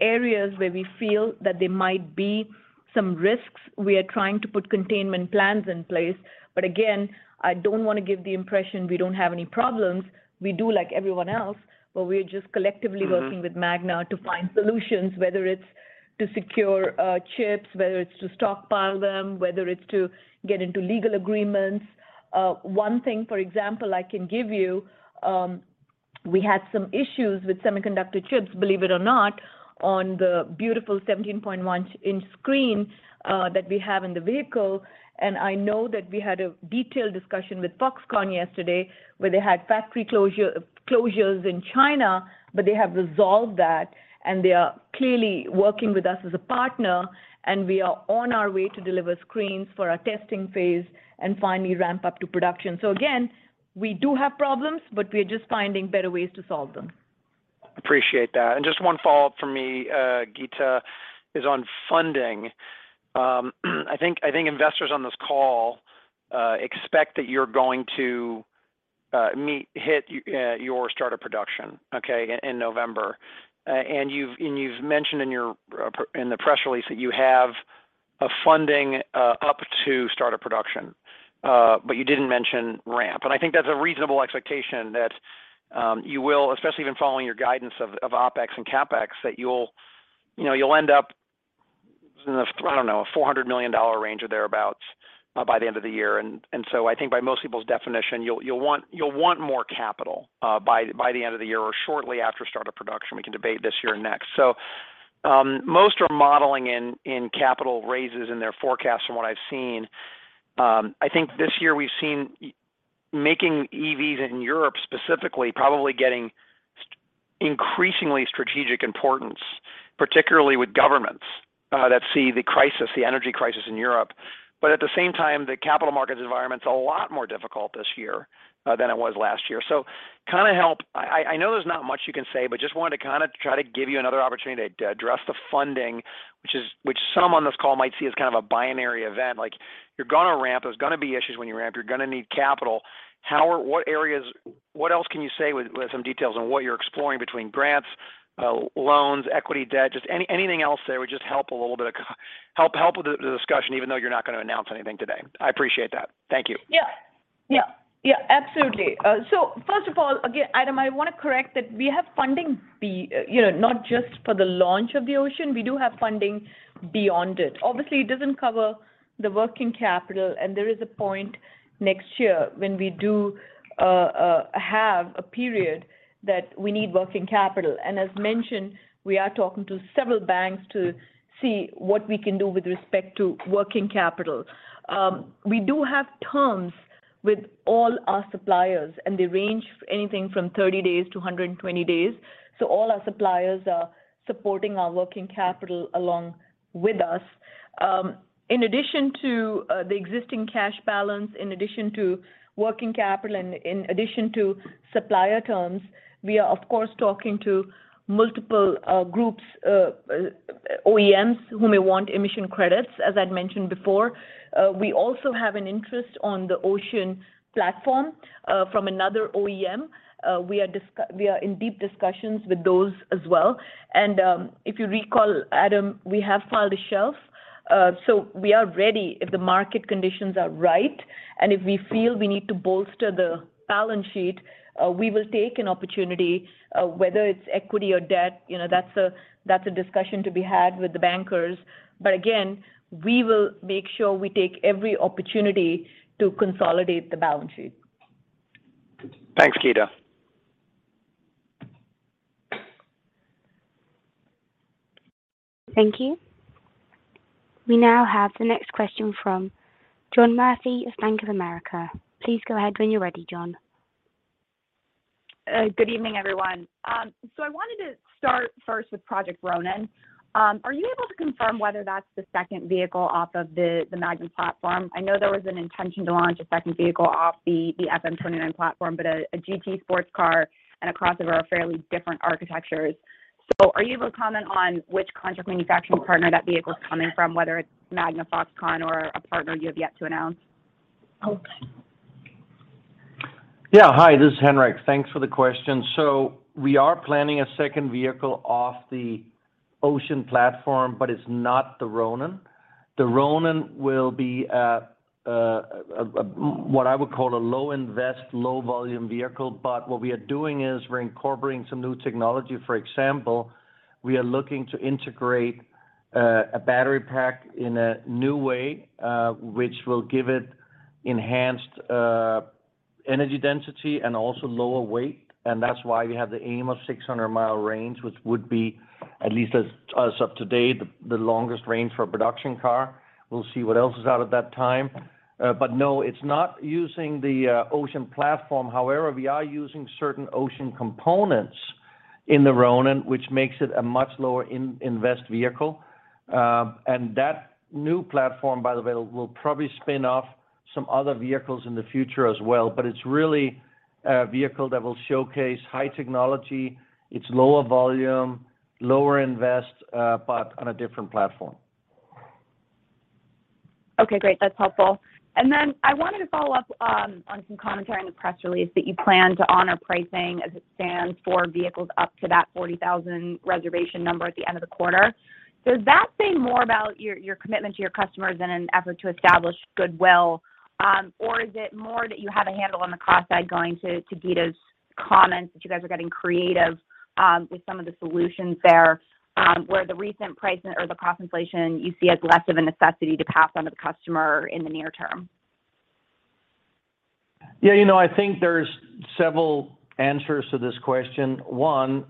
Areas where we feel that there might be some risks, we are trying to put containment plans in place. Again, I don't wanna give the impression we don't have any problems. We do like everyone else, but we're just collectively working. Mm-hmm. With Magna to find solutions, whether it's to secure chips, whether it's to stockpile them, whether it's to get into legal agreements. One thing, for example, I can give you, we had some issues with semiconductor chips, believe it or not, on the beautiful 17.1-inch screen that we have in the vehicle. I know that we had a detailed discussion with Foxconn yesterday where they had factory closures in China, but they have resolved that, and they are clearly working with us as a partner, and we are on our way to deliver screens for our testing phase and finally ramp up to production. Again, we do have problems, but we are just finding better ways to solve them. Appreciate that. Just one follow-up from me, Geeta, is on funding. I think investors on this call expect that you're going to hit your start of production, okay, in November. You've mentioned in your press release that you have a funding up to start of production. But you didn't mention ramp. I think that's a reasonable expectation that you will, especially even following your guidance of OpEx and CapEx, that you'll, you know, end up in a, I don't know, $400 million range or thereabout by the end of the year. I think by most people's definition, you'll want more capital by the end of the year or shortly after start of production. We can debate this year and next. Most are modeling in capital raises in their forecast from what I've seen. I think this year we've seen making EVs in Europe specifically probably getting increasingly strategic importance, particularly with governments that see the crisis, the energy crisis in Europe. At the same time, the capital markets environment's a lot more difficult this year than it was last year. I know there's not much you can say, but just wanted to kinda try to give you another opportunity to address the funding, which some on this call might see as kind of a binary event. Like, you're gonna ramp. There's gonna be issues when you ramp. You're gonna need capital. What else can you say with some details on what you're exploring between grants, loans, equity, debt? Just anything else there would just help a little bit. Help with the discussion even though you're not gonna announce anything today. I appreciate that. Thank you. Yeah, absolutely. First of all, again, Adam, I wanna correct that we have funding, you know, not just for the launch of the Ocean. We do have funding beyond it. Obviously, it doesn't cover the working capital, and there is a point next year when we do have a period that we need working capital. As mentioned, we are talking to several banks to see what we can do with respect to working capital. We do have terms with all our suppliers, and they range anywhere from 30 days to 120 days. All our suppliers are supporting our working capital along with us. In addition to the existing cash balance, in addition to working capital, and in addition to supplier terms, we are, of course, talking to multiple groups, OEMs who may want emission credits, as I'd mentioned before. We also have an interest on the Ocean platform from another OEM. We are in deep discussions with those as well. If you recall, Adam Jonas, we have filed a shelf, so we are ready if the market conditions are right. If we feel we need to bolster the balance sheet, we will take an opportunity, whether it's equity or debt, you know, that's a discussion to be had with the bankers. We will make sure we take every opportunity to consolidate the balance sheet. Thanks, Geeta. Thank you. We now have the next question from John Murphy of Bank of America. Please go ahead when you're ready, John. Good evening, everyone. I wanted to start first with Project Ronin. Are you able to confirm whether that's the second vehicle off of the Magna platform? I know there was an intention to launch a second vehicle off of the FM 29 platform, but a GT sports car and a crossover are fairly different architectures. Are you able to comment on which contract manufacturing partner that vehicle's coming from, whether it's Magna, Foxconn or a partner you have yet to announce? Okay. Yeah. Hi, this is Henrik. Thanks for the question. We are planning a second vehicle off the Ocean platform, but it's not the Ronin. The Ronin will be a what I would call a low investment, low volume vehicle. What we are doing is we're incorporating some new technology. For example, we are looking to integrate a battery pack in a new way, which will give it enhanced energy density and also lower weight. That's why we have the aim of 600-mile range, which would be at least as of today the longest range for a production car. We'll see what else is out at that time. No, it's not using the Ocean platform. However, we are using certain Ocean components in the Ronin, which makes it a much lower investment vehicle. That new platform, by the way, will probably spin off some other vehicles in the future as well. It's really a vehicle that will showcase high technology. It's lower volume, lower investment, but on a different platform. Okay, great. That's helpful. I wanted to follow up on some commentary in the press release that you plan to honor pricing as it stands for vehicles up to that 40,000 reservation number at the end of the quarter. Does that say more about your commitment to your customers in an effort to establish goodwill, or is it more that you have a handle on the cost side going to Geeta's comments that you guys are getting creative with some of the solutions there, where the recent price or the cost inflation you see as less of a necessity to pass on to the customer in the near term? Yeah, you know, I think there's several answers to this question. One,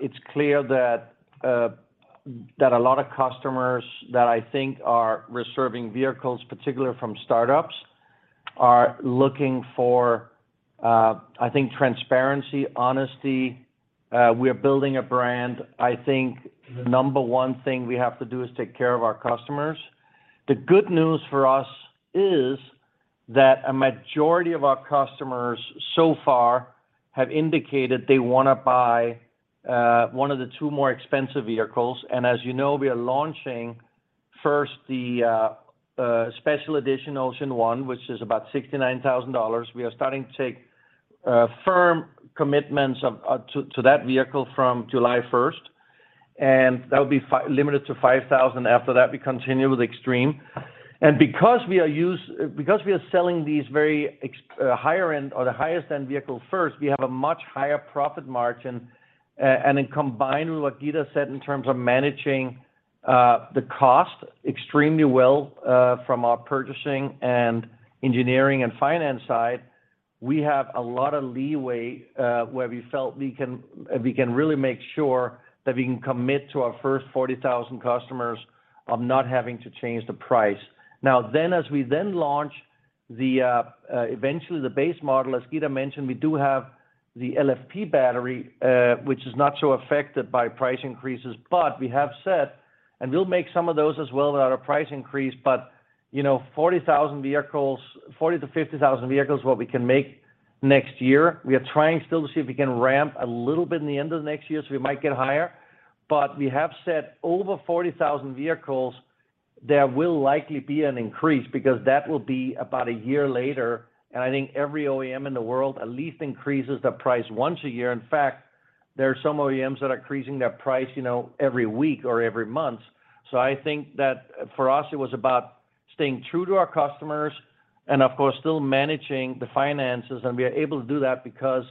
it's clear that a lot of customers that I think are reserving vehicles, particularly from startups, are looking for, I think transparency, honesty. We're building a brand. I think the number one thing we have to do is take care of our customers. The good news for us is that a majority of our customers so far have indicated they wanna buy one of the two more expensive vehicles. As you know, we are launching first the special edition Ocean One, which is about $69,000. We are starting to take firm commitments to that vehicle from July first. That would be limited to 5,000. After that, we continue with Extreme. Because we are selling these higher-end or the highest-end vehicle first, we have a much higher profit margin. In combination with what Geeta said in terms of managing the cost extremely well from our purchasing and engineering and finance side, we have a lot of leeway where we felt we can really make sure that we can commit to our first 40,000 customers of not having to change the price. Now then as we then launch eventually the base model, as Geeta mentioned, we do have the LFP battery, which is not so affected by price increases. We have said, and we'll make some of those as well without a price increase, but you know, 40,000 vehicles, 40,000-50,000 vehicles what we can make next year. We are trying still to see if we can ramp a little bit in the end of next year, so we might get higher. We have said over 40,000 vehicles, there will likely be an increase because that will be about a year later. I think every OEM in the world at least increases the price once a year. In fact, there are some OEMs that are increasing their price, you know, every week or every month. I think that for us, it was about staying true to our customers and of course, still managing the finances. We are able to do that because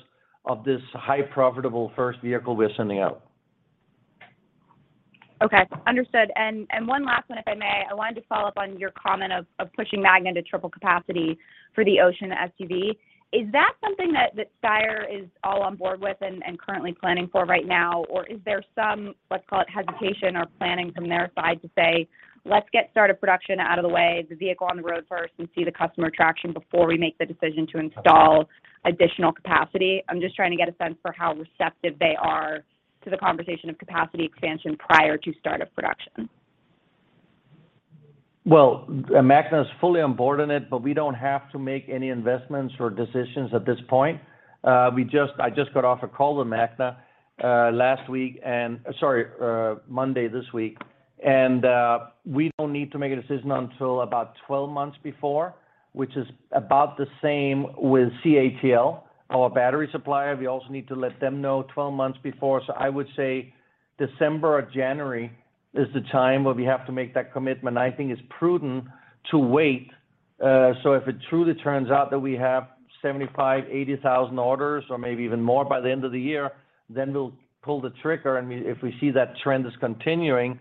of this highly profitable first vehicle we're sending out. Okay. Understood. One last one, if I may. I wanted to follow up on your comment of pushing Magna to triple capacity for the Ocean SUV. Is that something that Steyr is all on board with and currently planning for right now? Is there some, let's call it hesitation or planning from their side to say, "Let's get start of production out of the way, the vehicle on the road first and see the customer traction before we make the decision to install additional capacity"? I'm just trying to get a sense for how receptive they are to the conversation of capacity expansion prior to start of production. Well, Magna is fully on board in it, but we don't have to make any investments or decisions at this point. I just got off a call with Magna, Monday this week. We don't need to make a decision until about 12 months before, which is about the same with CATL, our battery supplier. We also need to let them know 12 months before. I would say December or January is the time where we have to make that commitment. I think it's prudent to wait. If it truly turns out that we have 75,000, 80,000 orders or maybe even more by the end of the year, then we'll pull the trigger and if we see that trend is continuing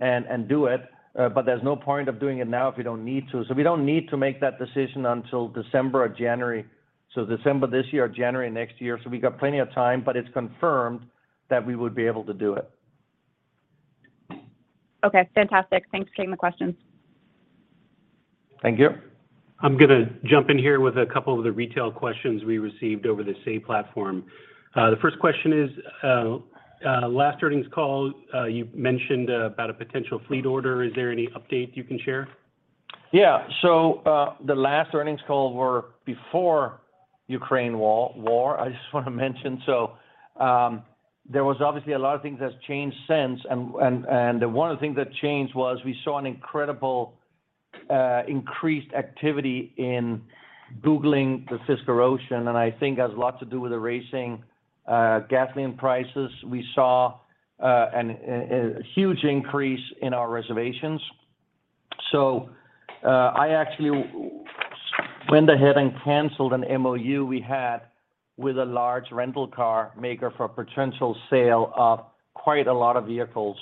and do it. There's no point of doing it now if we don't need to. We don't need to make that decision until December or January. December this year or January next year. We got plenty of time, but it's confirmed that we would be able to do it. Okay, fantastic. Thanks for taking the questions. Thank you. I'm gonna jump in here with a couple of the retail questions we received over the Say platform. The first question is, last earnings call, you mentioned about a potential fleet order. Is there any update you can share? Yeah. The last earnings call was before Ukraine war, I just wanna mention. There was obviously a lot of things that's changed since. One of the things that changed was we saw an incredible increased activity in googling the Fisker Ocean, and I think has a lot to do with the rising gasoline prices. We saw a huge increase in our reservations. I actually went ahead and canceled an MOU we had with a large rental car maker for a potential sale of quite a lot of vehicles.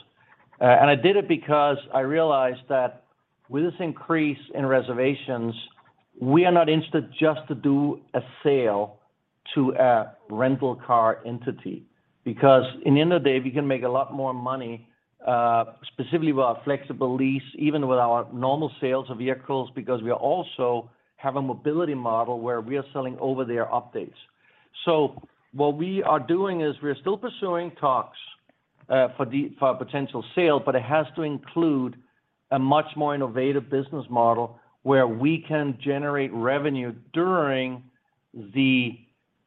I did it because I realized that with this increase in reservations, we are not interested just to do a sale to a rental car entity. At the end of the day, we can make a lot more money, specifically with our flexible lease, even with our normal sales of vehicles, because we also have a mobility model where we are selling over-the-air updates. What we are doing is we are still pursuing talks for a potential sale, but it has to include a much more innovative business model where we can generate revenue during the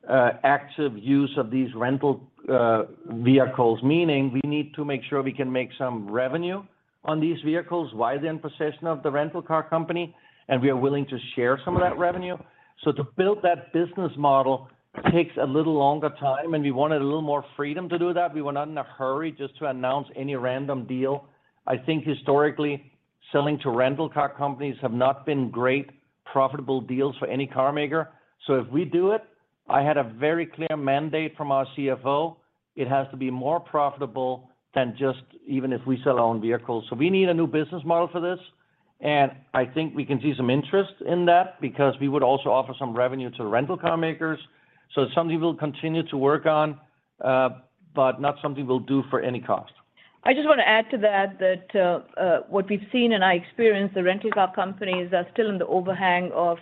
active use of these rental vehicles. Meaning we need to make sure we can make some revenue on these vehicles while they're in possession of the rental car company, and we are willing to share some of that revenue. To build that business model takes a little longer time, and we wanted a little more freedom to do that. We were not in a hurry just to announce any random deal. I think historically, selling to rental car companies have not been great profitable deals for any car maker. If we do it, I had a very clear mandate from our CFO, it has to be more profitable than just even if we sell our own vehicles. We need a new business model for this, and I think we can see some interest in that because we would also offer some revenue to the rental car makers. It's something we'll continue to work on, but not something we'll do for any cost. I just wanna add to that what we've seen, and I experienced, the rental car companies are still in the overhang of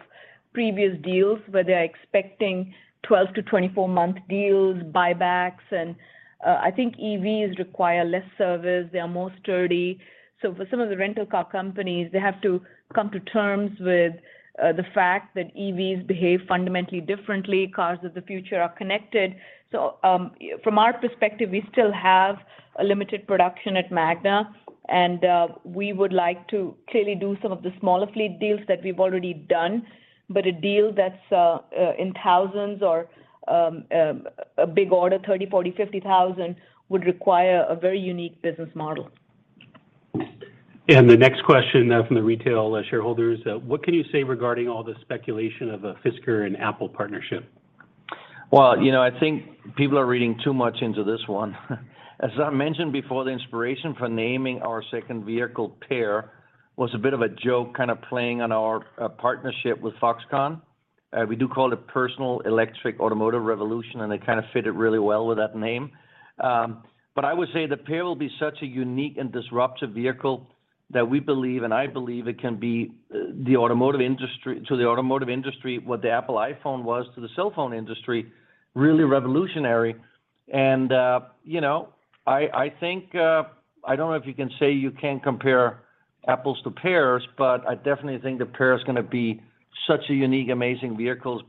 previous deals where they are expecting 12-24 month deals, buybacks. I think EVs require less service. They are more sturdy. For some of the rental car companies, they have to come to terms with the fact that EVs behave fundamentally differently, cars of the future are connected. From our perspective, we still have a limited production at Magna, and we would like to clearly do some of the smaller fleet deals that we've already done. But a deal that's in thousands or a big order, 30,000, 40,000, 50,000 would require a very unique business model. The next question from the retail shareholders. What can you say regarding all the speculation of a Fisker and Apple partnership? Well, you know, I think people are reading too much into this one. As I mentioned before, the inspiration for naming our second vehicle PEAR was a bit of a joke, kind of playing on our partnership with Foxconn. We do call it Personal Electric Automotive Revolution, and it kind of fit really well with that name. But I would say the PEAR will be such a unique and disruptive vehicle that we believe, and I believe it can be to the automotive industry, what the Apple iPhone was to the cell phone industry, really revolutionary. You know, I think I don't know if you can say you can't compare apples to pears, but I definitely think the PEAR is gonna be such a unique, amazing vehicles.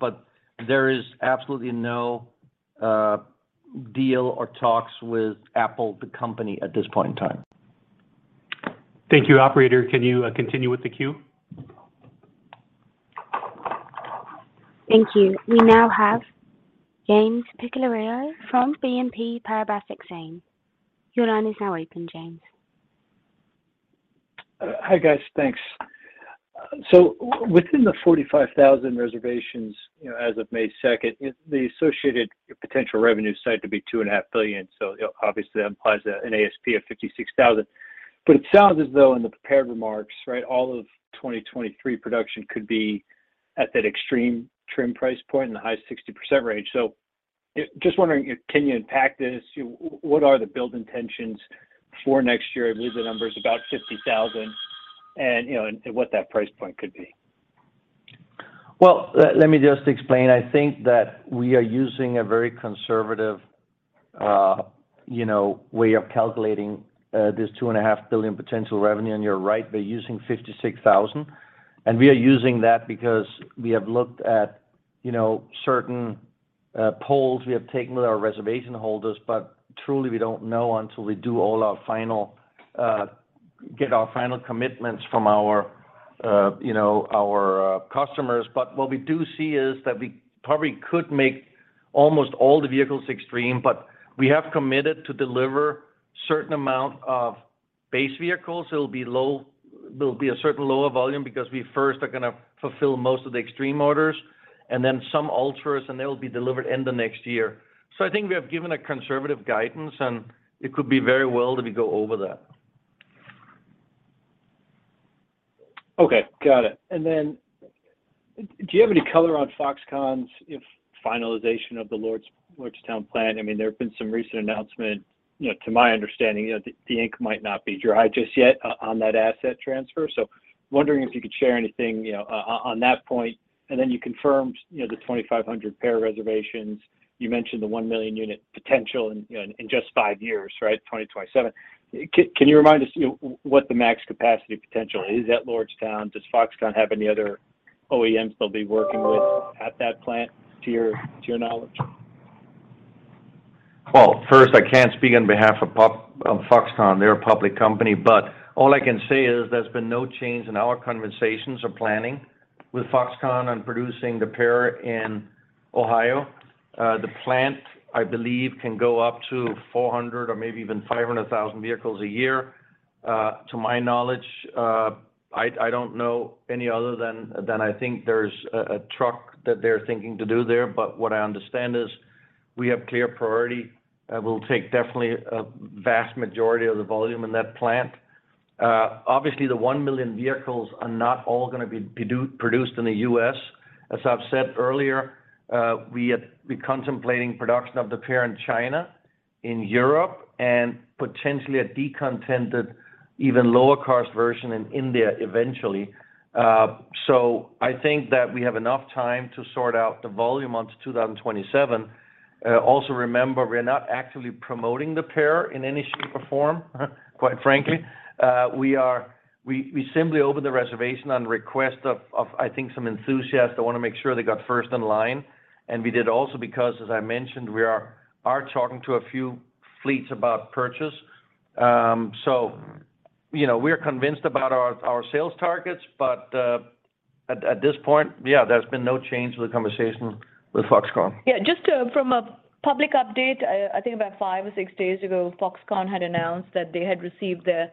There is absolutely no deal or talks with Apple, the company, at this point in time. Thank you. Operator, can you continue with the queue? Thank you. We now have James Picariello from BNP Paribas Exane. Your line is now open, James. Hi, guys. Thanks. Within the 45,000 reservations, you know, as of May 2nd, the associated potential revenue is said to be $2.5 billion. Obviously, that implies an ASP of $56,000. It sounds as though in the prepared remarks, right, all of 2023 production could be at that extreme trim price point in the high 60% range. Just wondering if you can unpack this. You know, what are the build intentions for next year. I believe the number is about 50,000 and, you know, what that price point could be. Well, let me just explain. I think that we are using a very conservative, you know, way of calculating this $2.5 billion potential revenue. You're right, we're using 56,000. We are using that because we have looked at, you know, certain polls we have taken with our reservation holders, but truly, we don't know until we get our final commitments from our, you know, our customers. What we do see is that we probably could make almost all the vehicles Extreme, but we have committed to deliver certain amount of base vehicles. It'll be low. There'll be a certain lower volume because we first are gonna fulfill most of the Extreme orders and then some Ultras, and they will be delivered end of next year. I think we have given a conservative guidance, and it could be very well that we go over that. Okay. Got it. Then do you have any color on Foxconn's finalization of the Lordstown plan? I mean, there have been some recent announcement. You know, to my understanding, you know, the ink might not be dry just yet on that asset transfer. Wondering if you could share anything, you know, on that point. Then you confirmed, you know, the 2,500 PEAR reservations. You mentioned the 1 million unit potential in, you know, in just five years, right? 2027. Can you remind us, you know, what the max capacity potential is at Lordstown? Does Foxconn have any other OEMs they'll be working with at that plant, to your knowledge? Well, first, I can't speak on behalf of of Foxconn. They're a public company. All I can say is there's been no change in our conversations or planning with Foxconn on producing the PEAR in Ohio. The plant, I believe, can go up to 400 or maybe even 500,000 vehicles a year. To my knowledge, I don't know any other than I think there's a truck that they're thinking to do there. What I understand is we have clear priority. We'll take definitely a vast majority of the volume in that plant. Obviously, the 1 million vehicles are not all gonna be produced in the U.S. As I've said earlier, we're contemplating production of the PEAR in China, in Europe, and potentially a decontented even lower cost version in India eventually. I think that we have enough time to sort out the volume until 2027. Also remember, we're not actively promoting the PEAR in any shape or form, quite frankly. We simply opened the reservation on request of, I think, some enthusiasts that wanna make sure they got first in line. We did also because, as I mentioned, we are talking to a few fleets about purchase. You know, we are convinced about our sales targets, but at this point, yeah, there's been no change to the conversation with Foxconn. Yeah, just from a public update, I think about five or six days ago, Foxconn had announced that they had received their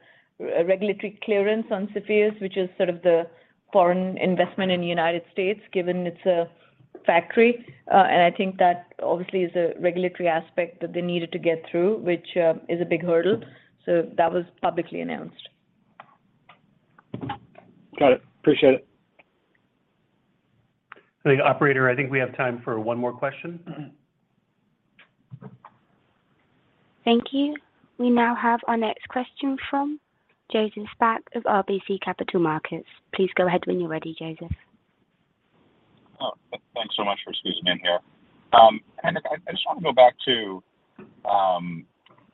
regulatory clearance on CFIUS, which is sort of the foreign investment in the United States, given it's a factory. I think that obviously is a regulatory aspect that they needed to get through, which is a big hurdle. That was publicly announced. Got it. Appreciate it. I think, operator, I think we have time for one more question. Thank you. We now have our next question from Joseph Spak of RBC Capital Markets. Please go ahead when you're ready, Joseph. Thanks so much for squeezing me in here. Henrik, I just wanna go back to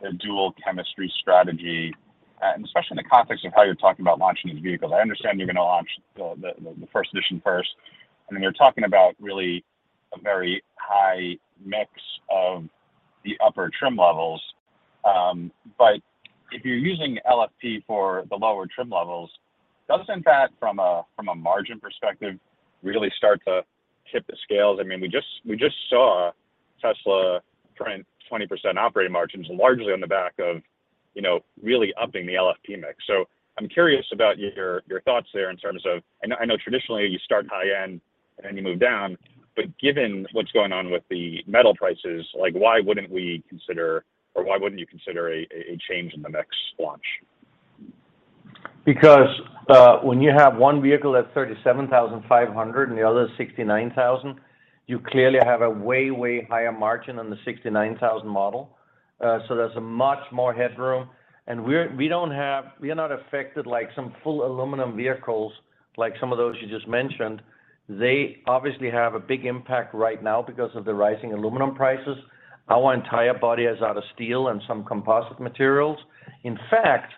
the dual chemistry strategy, and especially in the context of how you're talking about launching these vehicles. I understand you're gonna launch the first edition first, and then you're talking about really a very high mix of the upper trim levels. If you're using LFP for the lower trim levels, does, in fact, from a margin perspective, really start to tip the scales? I mean, we just saw Tesla trying 20% operating margins largely on the back of, you know, really upping the LFP mix. I'm curious about your thoughts there in terms of. I know traditionally you start high-end and then you move down. Given what's going on with the metal prices, like, why wouldn't we consider or why wouldn't you consider a change in the mix launch? Because when you have one vehicle that's $37,500 and the other is $69,000, you clearly have a way higher margin on the $69,000 model. So there's a much more headroom. We are not affected like some full aluminum vehicles, like some of those you just mentioned. They obviously have a big impact right now because of the rising aluminum prices. Our entire body is out of steel and some composite materials. In fact,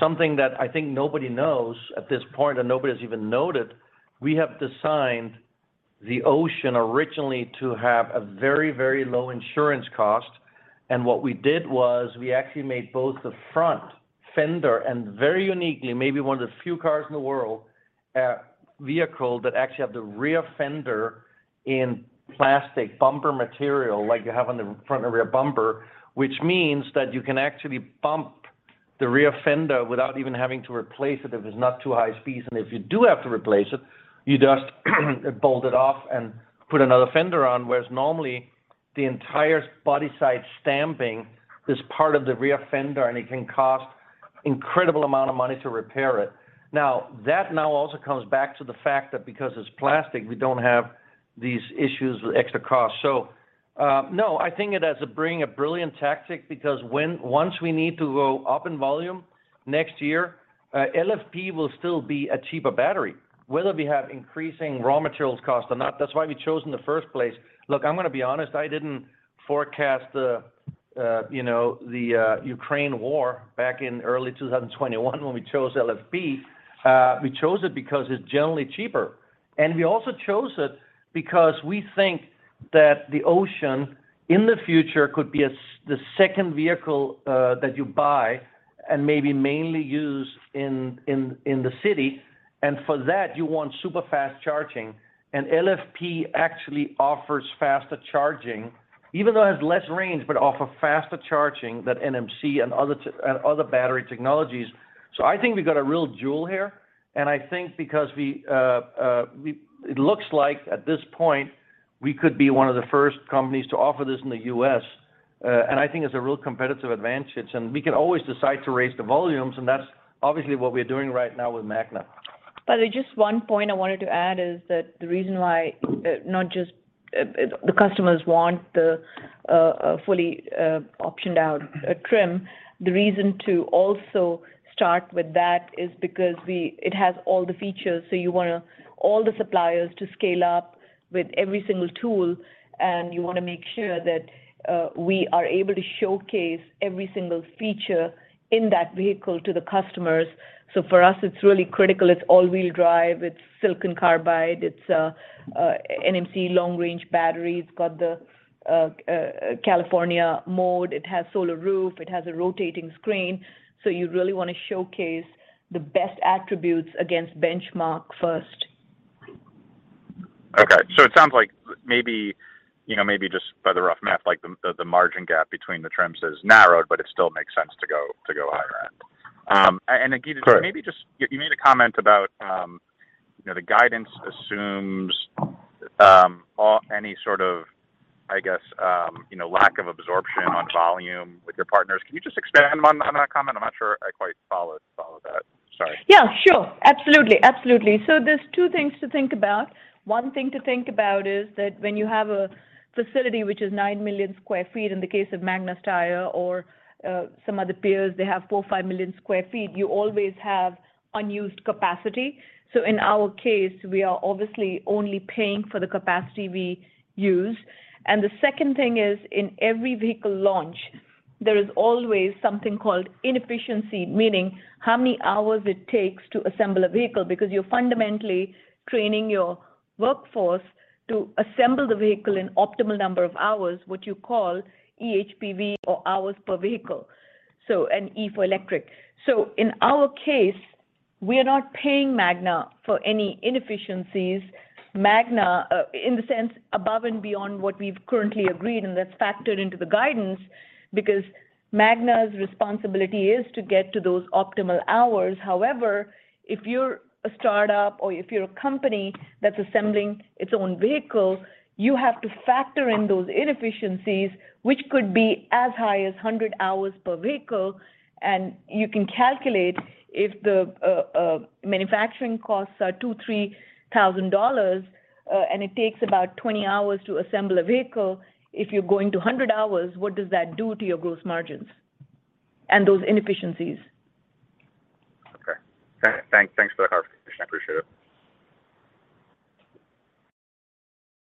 something that I think nobody knows at this point, and nobody's even noted, we have designed the Ocean originally to have a very, very low insurance cost. What we did was we actually made both the front fender and very uniquely, maybe one of the few cars in the world, vehicle that actually have the rear fender in plastic bumper material like you have on the front and rear bumper. Which means that you can actually bump the rear fender without even having to replace it if it's not too high speeds. If you do have to replace it, you just bolt it off and put another fender on. Whereas normally, the entire body side stamping is part of the rear fender, and it can cost incredible amount of money to repair it. Now, that now also comes back to the fact that because it's plastic, we don't have these issues with extra cost. No, I think it has to bring a brilliant tactic because once we need to go up in volume next year, LFP will still be a cheaper battery, whether we have increasing raw materials cost or not. That's why we chose it in the first place. Look, I'm gonna be honest, I didn't forecast the, you know, Ukraine war back in early 2021 when we chose LFP. We chose it because it's generally cheaper. We also chose it because we think that the Ocean in the future could be the second vehicle that you buy and maybe mainly use in the city. For that, you want super fast charging. LFP actually offers faster charging, even though it has less range, but offers faster charging than NMC and other battery technologies. I think we've got a real jewel here. I think because it looks like at this point, we could be one of the first companies to offer this in the U.S. I think it's a real competitive advantage. We can always decide to raise the volumes, and that's obviously what we're doing right now with Magna. Just one point I wanted to add is that the reason why not just the customers want the fully optioned out trim. The reason to also start with that is because it has all the features. You want all the suppliers to scale up with every single tool, and you wanna make sure that we are able to showcase every single feature in that vehicle to the customers. For us, it's really critical. It's all-wheel drive, it's silicon carbide, it's NMC long-range battery. It's got the California Mode. It has solar roof. It has a rotating screen. You really wanna showcase the best attributes against benchmark first. Okay. It sounds like maybe, you know, maybe just by the rough math, like, the margin gap between the trims has narrowed, but it still makes sense to go higher end. Correct. Maybe just you made a comment about, you know, the guidance assumes any sort of, I guess, you know, lack of absorption on volume with your partners. Can you just expand on that comment? I'm not sure I quite followed that. Sorry. Yeah, sure. Absolutely. There's two things to think about. 1 thing to think about is that when you have a facility which is 9 million sq ft, in the case of Magna Steyr or some other peers, they have 4, 5 million sq ft, you always have unused capacity. In our case, we are obviously only paying for the capacity we use. The second thing is in every vehicle launch, there is always something called inefficiency, meaning how many hours it takes to assemble a vehicle because you're fundamentally training your workforce to assemble the vehicle in optimal number of hours, what you call EHPV or hours per vehicle, and E for electric. In our case, we are not paying Magna for any inefficiencies. Magna, in the sense above and beyond what we've currently agreed, and that's factored into the guidance because Magna's responsibility is to get to those optimal hours. However, if you're a startup or if you're a company that's assembling its own vehicle, you have to factor in those inefficiencies, which could be as high as 100 hours per vehicle. You can calculate if the manufacturing costs are $2,000-$3,000, and it takes about 20 hours to assemble a vehicle. If you're going to 100 hours, what does that do to your gross margins and those inefficiencies? Okay. Thanks for the clarification. I appreciate it.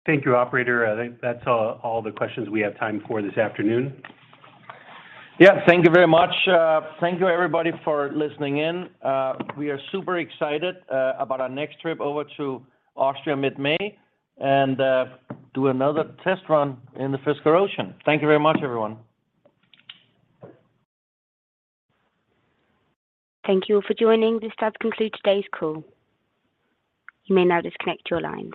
Thank you, operator. I think that's all the questions we have time for this afternoon. Yeah. Thank you very much. Thank you everybody for listening in. We are super excited about our next trip over to Austria mid-May, and do another test run in the Fisker Ocean. Thank you very much, everyone. Thank you all for joining. This does conclude today's call. You may now disconnect your lines.